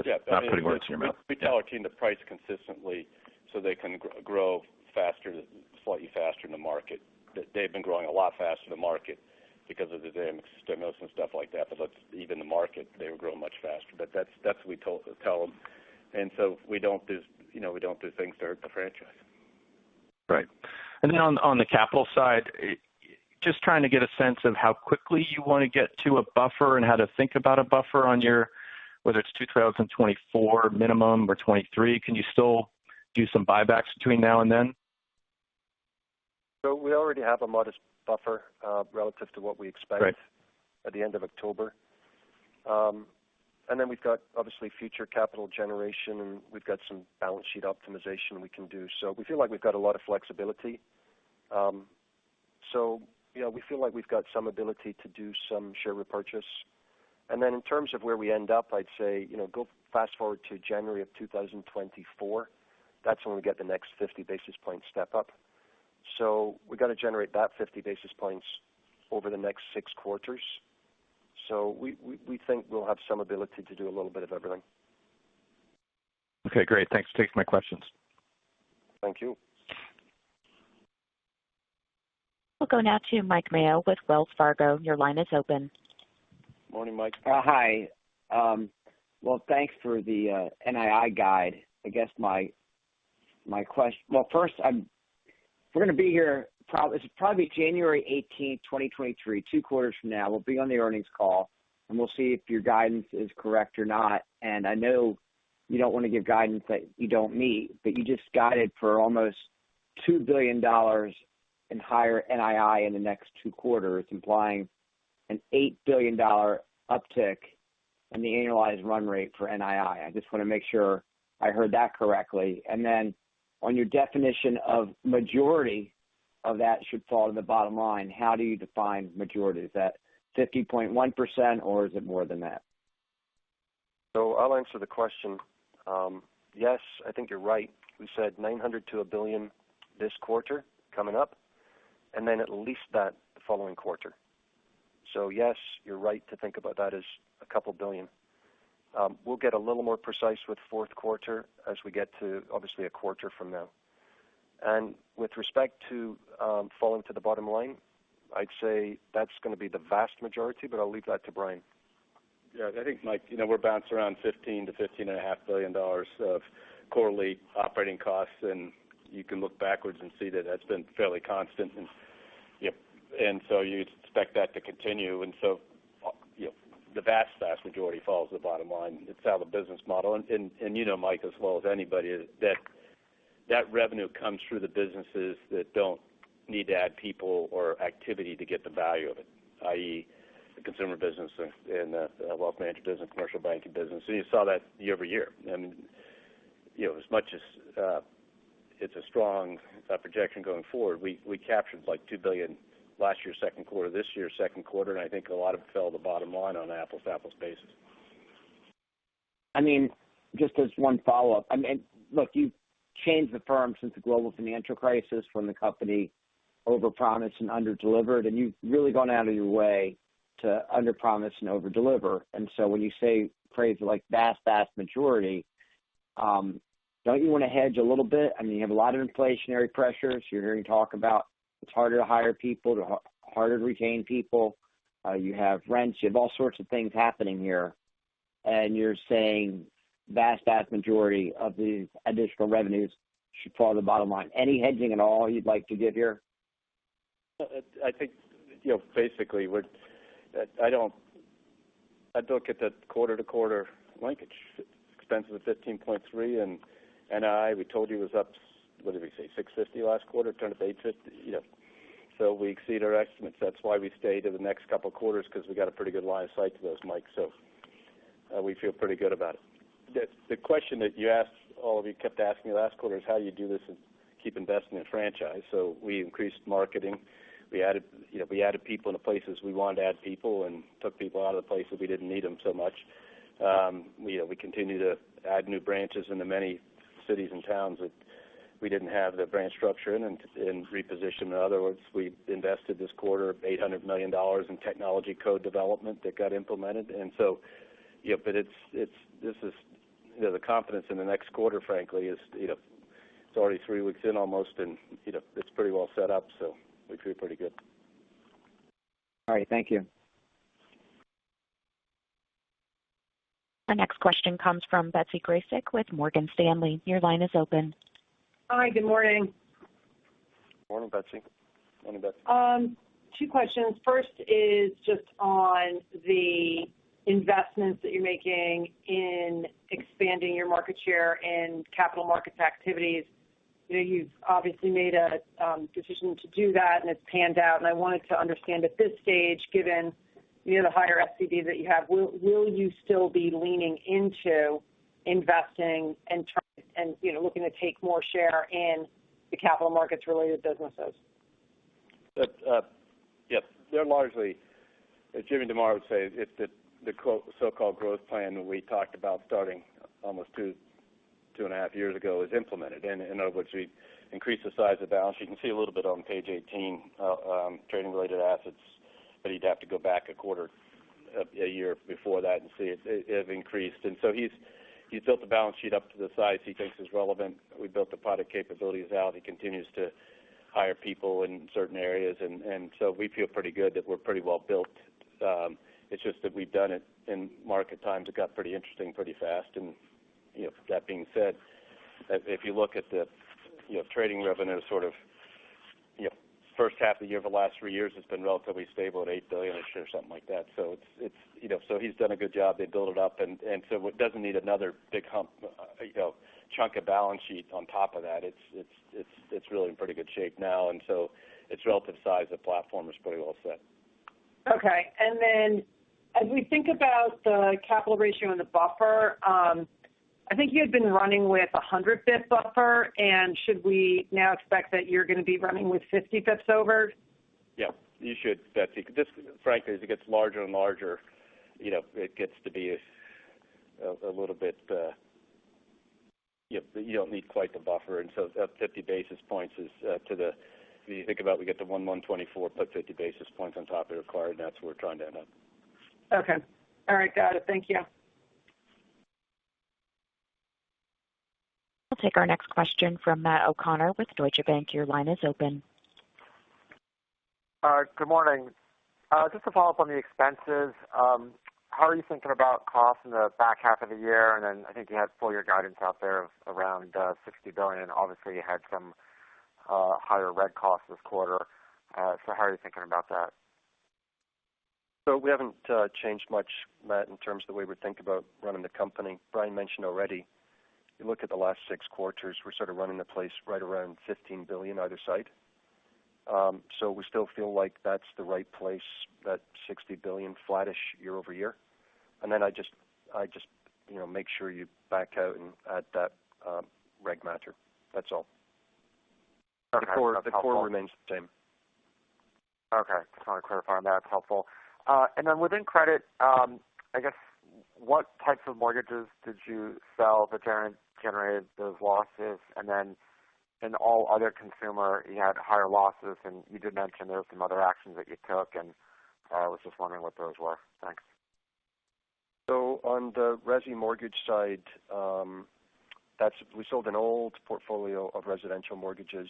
Yeah. If I'm putting words in your mouth. Yeah. We tell our team to price consistently so they can grow faster, slightly faster than the market. They've been growing a lot faster than the market because of the dynamics, stimulus, and stuff like that. Even the market, they would grow much faster. That's what we tell them. We don't do, you know, we don't do things to hurt the franchise. Right. On the capital side, just trying to get a sense of how quickly you want to get to a buffer and how to think about a buffer on your, whether it's 2024 minimum or 2023. Can you still do some buybacks between now and then? We already have a modest buffer relative to what we expect. Right At the end of October. We've got obviously future capital generation, and we've got some balance sheet optimization we can do. We feel like we've got a lot of flexibility. You know, we feel like we've got some ability to do some share repurchase. In terms of where we end up, I'd say, you know, go fast-forward to January of 2024. That's when we get the next 50 basis point step up. We've got to generate that 50 basis points over the next six quarters. We think we'll have some ability to do a little bit of everything. Okay, great. Thanks for taking my questions. Thank you. We'll go now to Mike Mayo with Wells Fargo. Your line is open. Morning, Mike. Hi. Well, thanks for the NII guide. I guess well, first, we're gonna be here. It's probably January eighteenth, twenty twenty-three, two quarters from now. We'll be on the earnings call, and we'll see if your guidance is correct or not. I know you don't want to give guidance that you don't meet, but you just guided for almost $2 billion in higher NII in the next two quarters, implying an $8 billion uptick in the annualized run rate for NII. I just want to make sure I heard that correctly. Then on your definition of majority of that should fall to the bottom line, how do you define majority? Is that 50.1%, or is it more than that? I'll answer the question. Yes, I think you're right. We said $900 million-$1 billion this quarter coming up, and then at least that the following quarter. Yes, you're right to think about that as a couple billion. We'll get a little more precise with fourth quarter as we get to, obviously, a quarter from now. With respect to falling to the bottom line, I'd say that's going to be the vast majority, but I'll leave that to Brian. Yeah. I think, Mike, you know, we've bounced around $15 billion-$15.5 billion of quarterly operating costs, and you can look backwards and see that that's been fairly constant. Yep, you'd expect that to continue. You know, the vast majority falls to the bottom line. It's how the business model. You know, Mike, as well as anybody, that revenue comes through the businesses that don't need to add people or activity to get the value of it, i.e., the Consumer Banking and the Wealth Management business, commercial banking business. You saw that year-over-year. I mean, you know, as much as it's a strong projection going forward, we captured, like, $2 billion last year second quarter, this year second quarter, and I think a lot of it fell at the bottom line on an apples-to-apples basis. I mean, just as one follow-up. I mean, look, you've changed the firm since the global financial crisis when the company overpromised and underdelivered, and you've really gone out of your way to underpromise and overdeliver. When you say phrases like vast majority, don't you want to hedge a little bit? I mean, you have a lot of inflationary pressures. You're hearing talk about it's harder to hire people, to harder to retain people. You have rents. You have all sorts of things happening here. You're saying vast majority of these additional revenues should fall to the bottom line. Any hedging at all you'd like to give here? I think, you know, basically I don't get that quarter-to-quarter linkage. Expenses of $13.3, and NII, we told you, was up, what did we say? $650 last quarter, turned up $850. You know, we exceed our estimates. That's why we stay to the next couple of quarters because we've got a pretty good line of sight to those, Mike. We feel pretty good about it. The question that you asked, all of you kept asking last quarter is how you do this and keep investing in franchise. We increased marketing. We added, you know, people into places we wanted to add people and took people out of the places we didn't need them so much. You know, we continue to add new branches into many cities and towns that we didn't have the branch structure in and reposition. In other words, we invested this quarter $800 million in technology code development that got implemented. You know, but it's this, you know, the confidence in the next quarter, frankly, is, you know, it's already three weeks in almost, and, you know, it's pretty well set up, so we feel pretty good. All right. Thank you. Our next question comes from Betsy Graseck with Morgan Stanley. Your line is open. Hi. Good morning. Morning, Betsy. Morning, Betsy. Two questions. First is just on the investments that you're making in expanding your market share in capital markets activities. You know, you've obviously made a decision to do that, and it's panned out. I wanted to understand at this stage, given, you know, the higher SCB that you have, will you still be leaning into investing and trying, and, you know, looking to take more share in the capital markets-related businesses? Yes. They're largely, as Jim DeMare would say, it's the quote, so-called growth plan that we talked about starting almost two and a half years ago is implemented. Of which we increased the size of balance. You can see a little bit on page 18, trading-related assets, but you'd have to go back a quarter, a year before that and see it increased. He built the balance sheet up to the size he thinks is relevant. We built the product capabilities out. He continues to Hire people in certain areas. So we feel pretty good that we're pretty well built. It's just that we've done it in market times. It got pretty interesting pretty fast. You know, that being said, if you look at the, you know, trading revenue sort of, you know, first half of the year over the last three years has been relatively stable at $8 billion this year or something like that. It's, you know, so he's done a good job. They build it up and so it doesn't need another big hump, you know, chunk of balance sheet on top of that. It's really in pretty good shape now. Its relative size of platform is pretty well set. Okay. As we think about the capital ratio and the buffer, I think you had been running with 100 basis points buffer, and should we now expect that you're gonna be running with 50 basis points over? Yeah, you should, Betsy. This, frankly, as it gets larger and larger, you know, it gets to be a little bit, you don't need quite the buffer. Up 50 basis points is to the. If you think about, we get the 11.24, put 50 basis points on top of required, and that's where we're trying to end up. Okay. All right, got it. Thank you. We'll take our next question from Matt O'Connor with Deutsche Bank. Your line is open. Good morning. Just to follow up on the expenses, how are you thinking about costs in the back half of the year? I think you had full year guidance out there of around $60 billion. Obviously, you had some higher reg costs this quarter. How are you thinking about that? We haven't changed much, Matt, in terms of the way we think about running the company. Brian mentioned already, if you look at the last six quarters, we're sort of running the place right around $15 billion either side. We still feel like that's the right place, that $60 billion flattish year-over-year. Then I just, you know, make sure you back out and add that reg matter. That's all. Okay. The core remains the same. Okay. Just want to clarify on that. It's helpful. Within credit, I guess what types of mortgages did you sell that generated those losses? In all other consumer, you had higher losses, and you did mention there were some other actions that you took, and I was just wondering what those were. Thanks. On the resi mortgage side, we sold an old portfolio of residential mortgages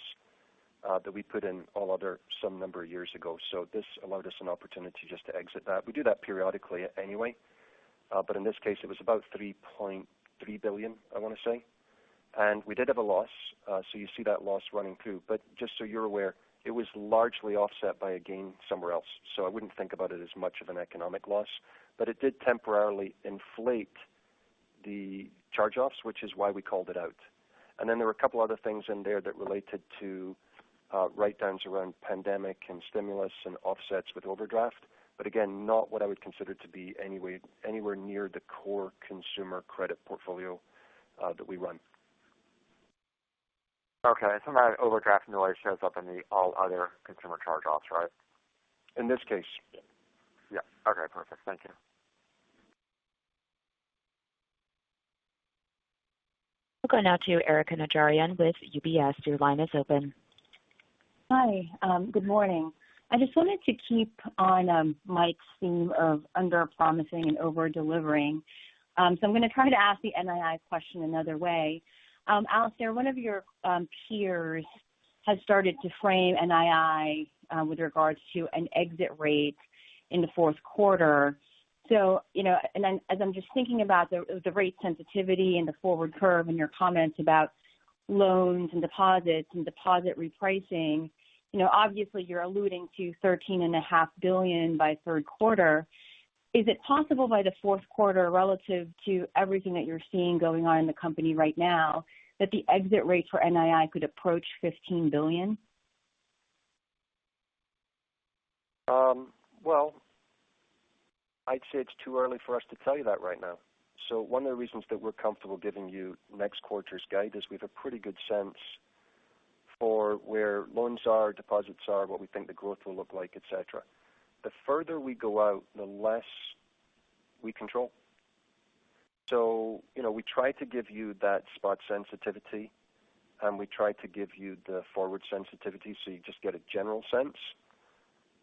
that we put in all other some number of years ago. This allowed us an opportunity just to exit that. We do that periodically anyway, but in this case, it was about $3.3 billion, I want to say. We did have a loss, so you see that loss running through. Just so you're aware, it was largely offset by a gain somewhere else. I wouldn't think about it as much of an economic loss. It did temporarily inflate the charge-offs, which is why we called it out. Then there were a couple other things in there that related to writedowns around pandemic and stimulus and offsets with overdraft. Again, not what I would consider to be anywhere near the core consumer credit portfolio that we run. Okay. Some of that overdraft normally shows up in the all other consumer charge-offs, right? In this case. Yeah. Okay, perfect. Thank you. We'll go now to Erika Najarian with UBS. Your line is open. Hi. Good morning. I just wanted to keep on Mike's theme of underpromising and over-delivering. I'm gonna try to ask the NII question another way. Alastair, one of your peers has started to frame NII with regards to an exit rate in the fourth quarter. You know, and then as I'm just thinking about the rate sensitivity and the forward curve and your comments about loans and deposits and deposit repricing, you know, obviously you're alluding to $13.5 billion by third quarter. Is it possible by the fourth quarter, relative to everything that you're seeing going on in the company right now, that the exit rate for NII could approach $15 billion? Well, I'd say it's too early for us to tell you that right now. One of the reasons that we're comfortable giving you next quarter's guide is we have a pretty good sense for where loans are, deposits are, what we think the growth will look like, et cetera. The further we go out, the less we control. You know, we try to give you that spot sensitivity, and we try to give you the forward sensitivity, so you just get a general sense.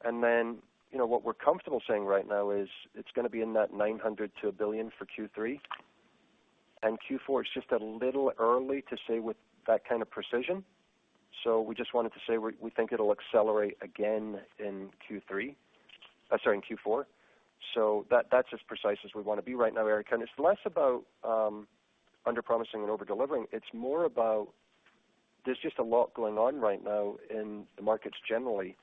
You know, what we're comfortable saying right now is it's gonna be in that $900 million-$1 billion for Q3. Q4, it's just a little early to say with that kind of precision. We just wanted to say we think it'll accelerate again in Q4. that's as precise as we want to be right now, Erika. It's less about underpromising and over-delivering. It's more about, there's just a lot going on right now in the markets generally,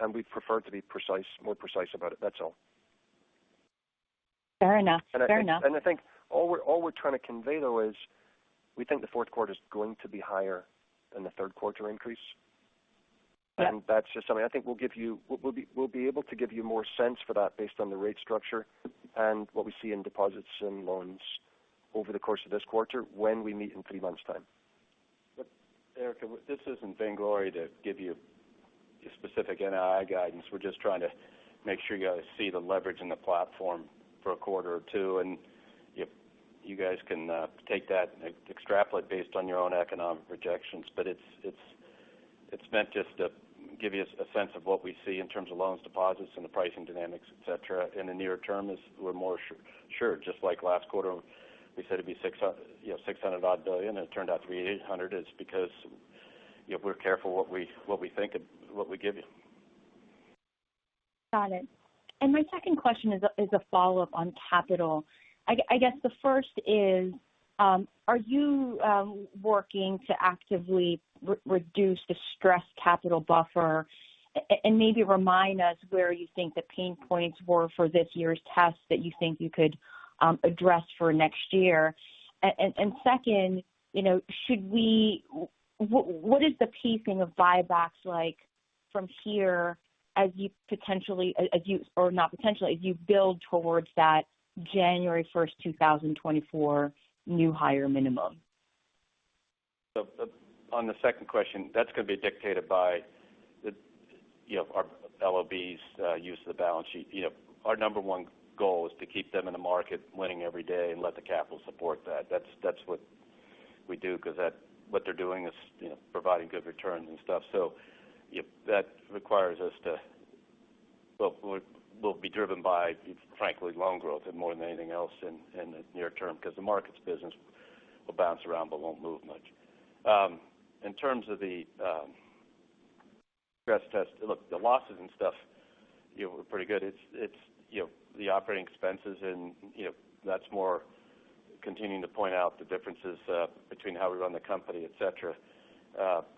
and we prefer to be precise, more precise about it. That's all. Fair enough. Fair enough. I think all we're trying to convey, though, is we think the fourth quarter is going to be higher than the third quarter increase. Yeah. That's just something I think we'll be able to give you more sense for that based on the rate structure and what we see in deposits and loans over the course of this quarter when we meet in three months' time. Erika, this isn't vainglory to give you specific NII guidance. We're just trying to make sure you guys see the leverage in the platform for a quarter or two. If you guys can take that and extrapolate based on your own economic projections. It's meant just t Give you a sense of what we see in terms of loans, deposits, and the pricing dynamics, et cetera. In the near term, we're more sure. Just like last quarter, we said it'd be $600-odd billion, you know, it turned out to be $800 billion, it's because, you know, we're careful what we think and what we give you. Got it. My second question is a follow-up on capital. I guess the first is, are you working to actively reduce the stress capital buffer? Maybe remind us where you think the pain points were for this year's test that you think you could address for next year. Second, you know, what is the pacing of buybacks like from here as you build towards that January 1, 2024 new higher minimum? On the second question, that's gonna be dictated by the, you know, our LOBs use of the balance sheet. You know, our number one goal is to keep them in the market winning every day and let the capital support that. That's what we do because what they're doing is, you know, providing good returns and stuff. If that requires us to, well, we'll be driven by, frankly, loan growth and more than anything else in the near term because the markets business will bounce around but won't move much. In terms of the stress test, look, the losses and stuff, you know, were pretty good. It's you know, the operating expenses and, you know, that's more continuing to point out the differences between how we run the company, et cetera.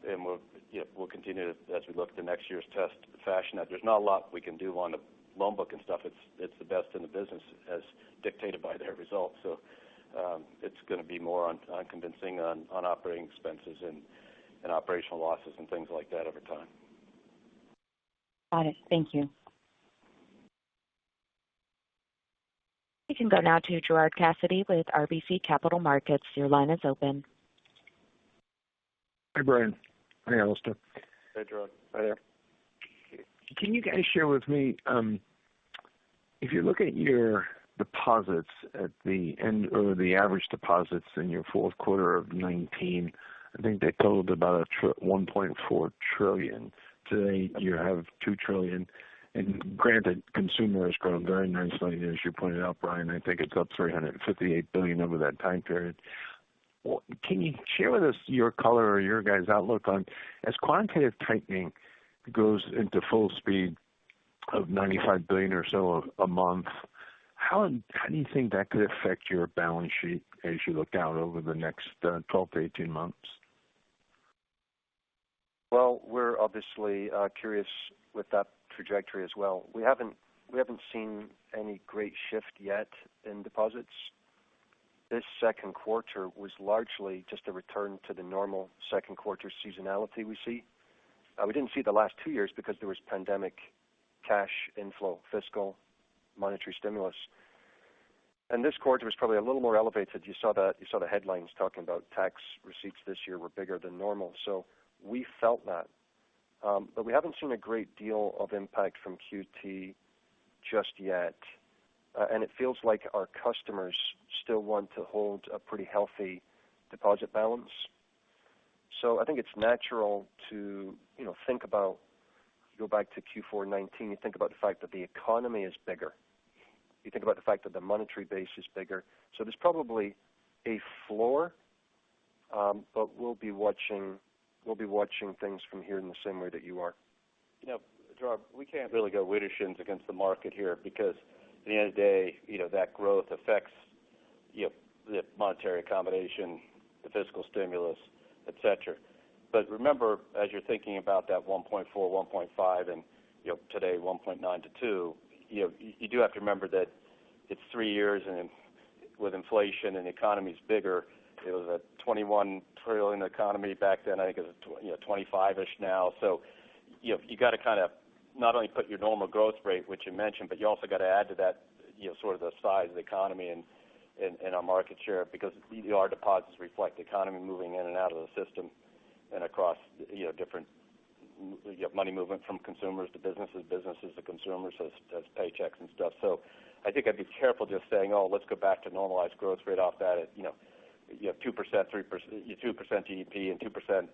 We'll, you know, continue to as we look to next year's test fashion that there's not a lot we can do on the loan book and stuff. It's the best in the business as dictated by their results. It's gonna be more on convincing on operating expenses and operational losses and things like that over time. Got it. Thank you. We can go now to Gerard Cassidy with RBC Capital Markets. Your line is open. Hi, Brian. Hi, Alastair. Hey, Gerard. Hi there. Can you guys share with me, if you look at your deposits at the end or the average deposits in your fourth quarter of 2019, I think they totaled about $1.4 trillion. Today you have $2 trillion. Granted, consumer has grown very nicely, as you pointed out, Brian. I think it's up $358 billion over that time period. Can you share with us your color or your guys' outlook on as quantitative tightening goes into full speed of $95 billion or so a month, how do you think that could affect your balance sheet as you look out over the next 12-18 months? Well, we're obviously curious with that trajectory as well. We haven't seen any great shift yet in deposits. This second quarter was largely just a return to the normal second quarter seasonality we see. We didn't see the last two years because there was pandemic cash inflow, fiscal monetary stimulus. This quarter was probably a little more elevated. You saw the headlines talking about tax receipts this year were bigger than normal. We felt that. We haven't seen a great deal of impact from QT just yet. It feels like our customers still want to hold a pretty healthy deposit balance. I think it's natural to, you know, think about go back to Q4 2019, you think about the fact that the economy is bigger. You think about the fact that the monetary base is bigger. There's probably a floor, but we'll be watching things from here in the same way that you are. You know, Gerard, we can't really go widdershins against the market here because at the end of the day, you know, that growth factors you have the monetary accommodation, the fiscal stimulus, et cetera. Remember, as you're thinking about that 1.4%, 1.5%, and you know, today, 1.9%-2%, you know, you do have to remember that it's three years in with inflation and the economy's bigger. It was a $21 trillion economy back then. I think it's $25 trillion-ish now. You know, you got to kind of not only put your normal growth rate, which you mentioned, but you also got to add to that, you know, sort of the size of the economy and our market share because our deposits reflect the economy moving in and out of the system and across, you know, different you have money movement from consumers to businesses to consumers as paychecks and stuff. I think I'd be careful just saying, oh, let's go back to normalized growth rate off that at, you know, you have 2%, 3% - 2% GDP and 2%,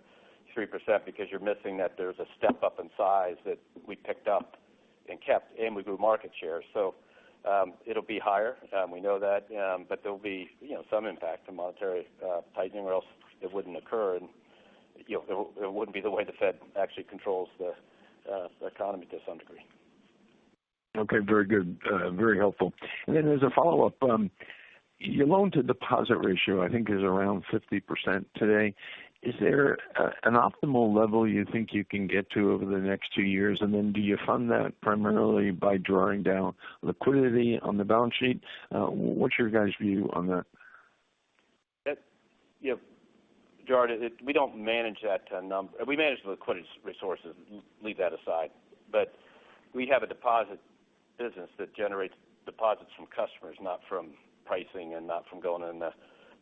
3% because you're missing that there's a step up in size that we picked up and kept, and we grew market share. It'll be higher. We know that. There will be, you know, some impact to monetary tightening or else it wouldn't occur. You know, it wouldn't be the way the Fed actually controls the economy to some degree. Okay. Very good. Very helpful. Then as a follow-up, your loan to deposit ratio, I think is around 50% today. Is there an optimal level you think you can get to over the next two years? Then do you fund that primarily by drawing down liquidity on the balance sheet? What's your guys' view on that? That, you know, Gerard, we don't manage that. We manage the liquidity resources, leave that aside. We have a deposit business that generates deposits from customers, not from pricing and not from going in the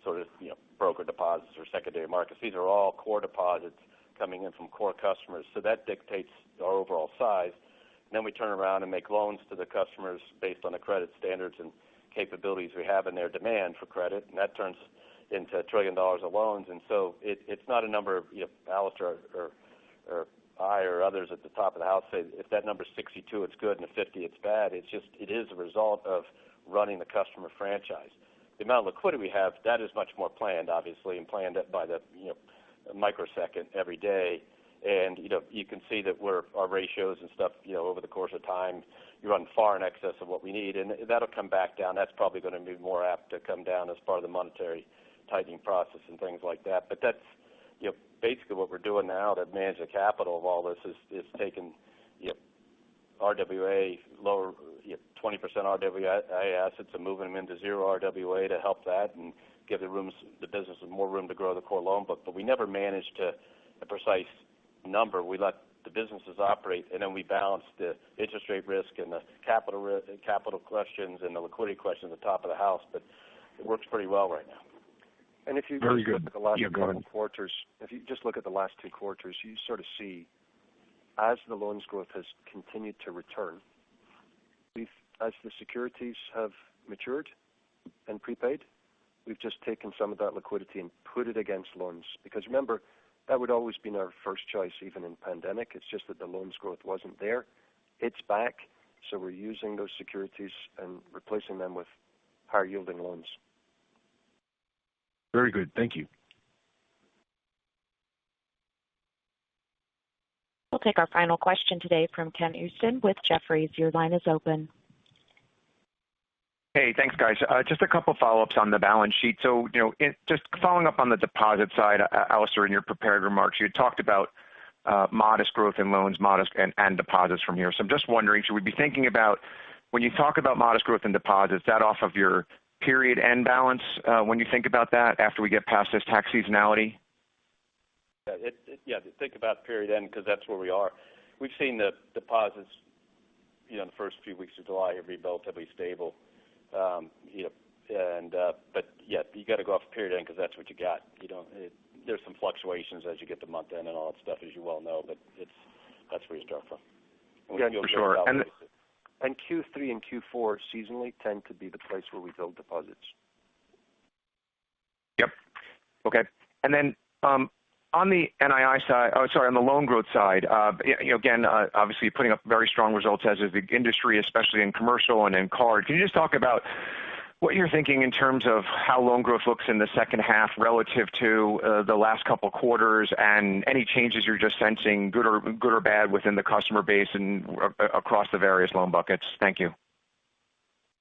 sort of, you know, broker deposits or secondary markets. These are all core deposits coming in from core customers. That dictates our overall size. We turn around and make loans to the customers based on the credit standards and capabilities we have in their demand for credit. That turns into $1 trillion of loans. It's not a number, you know, Alastair or I or others at the top of the house say if that number's 62, it's good, and at 50 it's bad. It is a result of running the customer franchise. The amount of liquidity we have, that is much more planned obviously and planned to the microsecond every day. You know, you can see that our ratios and stuff, you know, over the course of time, we're far in excess of what we need. That'll come back down. That's probably gonna be more apt to come down as part of the monetary tightening process and things like that. That's, you know, basically what we're doing now to manage the capital of all this is taking, you know, RWA lower, you know, 20% RWA assets and moving them into zero RWA to help that and give the business more room to grow the core loan book. We never managed to a precise number. We let the businesses operate, and then we balance the interest rate risk and the capital questions and the liquidity questions at the top of the house. It works pretty well right now. Very good. Yeah, go ahead. If you just look at the last two quarters, you sort of see as the loans growth has continued to return, we've, as the securities have matured and prepaid, just taken some of that liquidity and put it against loans. Because remember, that would always been our first choice even in pandemic. It's just that the loans growth wasn't there. It's back. We're using those securities and replacing them with higher yielding loans. Very good. Thank you. We'll take our final question today from Ken Usdin with Jefferies. Your line is open. Hey, thanks, guys. Just a couple follow-ups on the balance sheet. You know, just following up on the deposit side, Alastair, in your prepared remarks, you had talked about modest growth in loans and deposits from here. I'm just wondering, should we be thinking about when you talk about modest growth in deposits, is that off of your period-end balance when you think about that after we get past this tax seasonality? Think about period end because that's where we are. We've seen the deposits, you know, in the first few weeks of July have been relatively stable. You know, you got to go off period end because that's what you got. There's some fluctuations as you get to month-end and all that stuff, as you well know. That's where you start from. Yeah. For sure. We feel good about places. Q3 and Q4 seasonally tend to be the place where we build deposits. Yep. Okay. On the loan growth side, you know, again, obviously, you're putting up very strong results as is the industry, especially in commercial and in card. Can you just talk about what you're thinking in terms of how loan growth looks in the second half relative to the last couple quarters and any changes you're just sensing, good or bad within the customer base and across the various loan buckets? Thank you.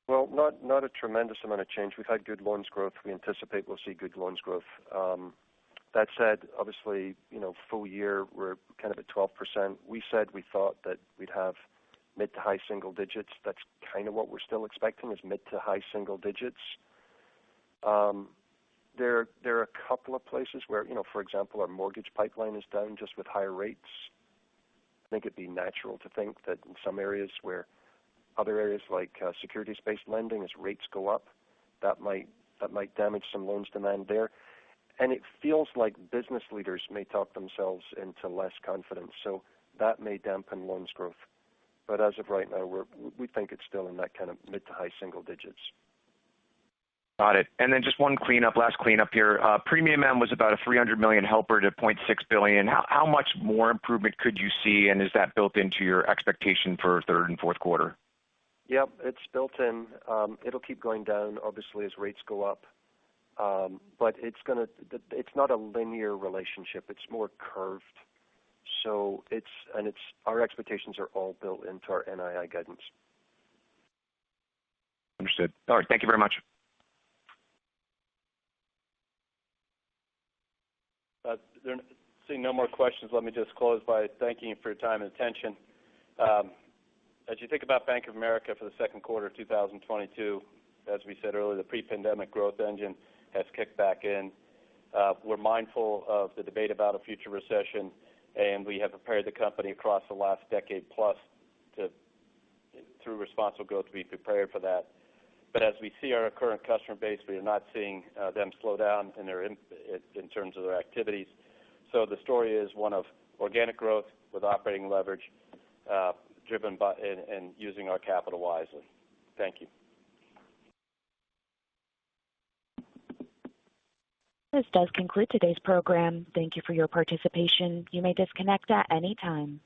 Well, not a tremendous amount of change. We've had good loans growth. We anticipate we'll see good loans growth. That said, obviously, you know, full year we're kind of at 12%. We said we thought that we'd have mid to high single digits. That's kind of what we're still expecting is mid to high single digits. There are a couple of places where, you know, for example, our mortgage pipeline is down just with higher rates. I think it'd be natural to think that in some areas where other areas like securities-based lending, as rates go up, that might damage some loans demand there. It feels like business leaders may talk themselves into less confidence. That may dampen loans growth. As of right now, we think it's still in that kind of mid to high single digits. Got it. Just one cleanup, last cleanup here. Premium amortization was about a $300 million helper to $0.6 billion. How much more improvement could you see? Is that built into your expectation for third and fourth quarter? Yep, it's built in. It'll keep going down obviously as rates go up. It's not a linear relationship. It's more curved. Our expectations are all built into our NII guidance. Understood. All right. Thank you very much. Seeing no more questions, let me just close by thanking you for your time and attention. As you think about Bank of America for the second quarter of 2022, as we said earlier, the pre-pandemic growth engine has kicked back in. We're mindful of the debate about a future recession, and we have prepared the company across the last decade plus to, through responsible growth, to be prepared for that. As we see our current customer base, we are not seeing them slow down in terms of their activities. The story is one of organic growth with operating leverage, driven by and using our capital wisely. Thank you. This does conclude today's program. Thank you for your participation. You may disconnect at any time.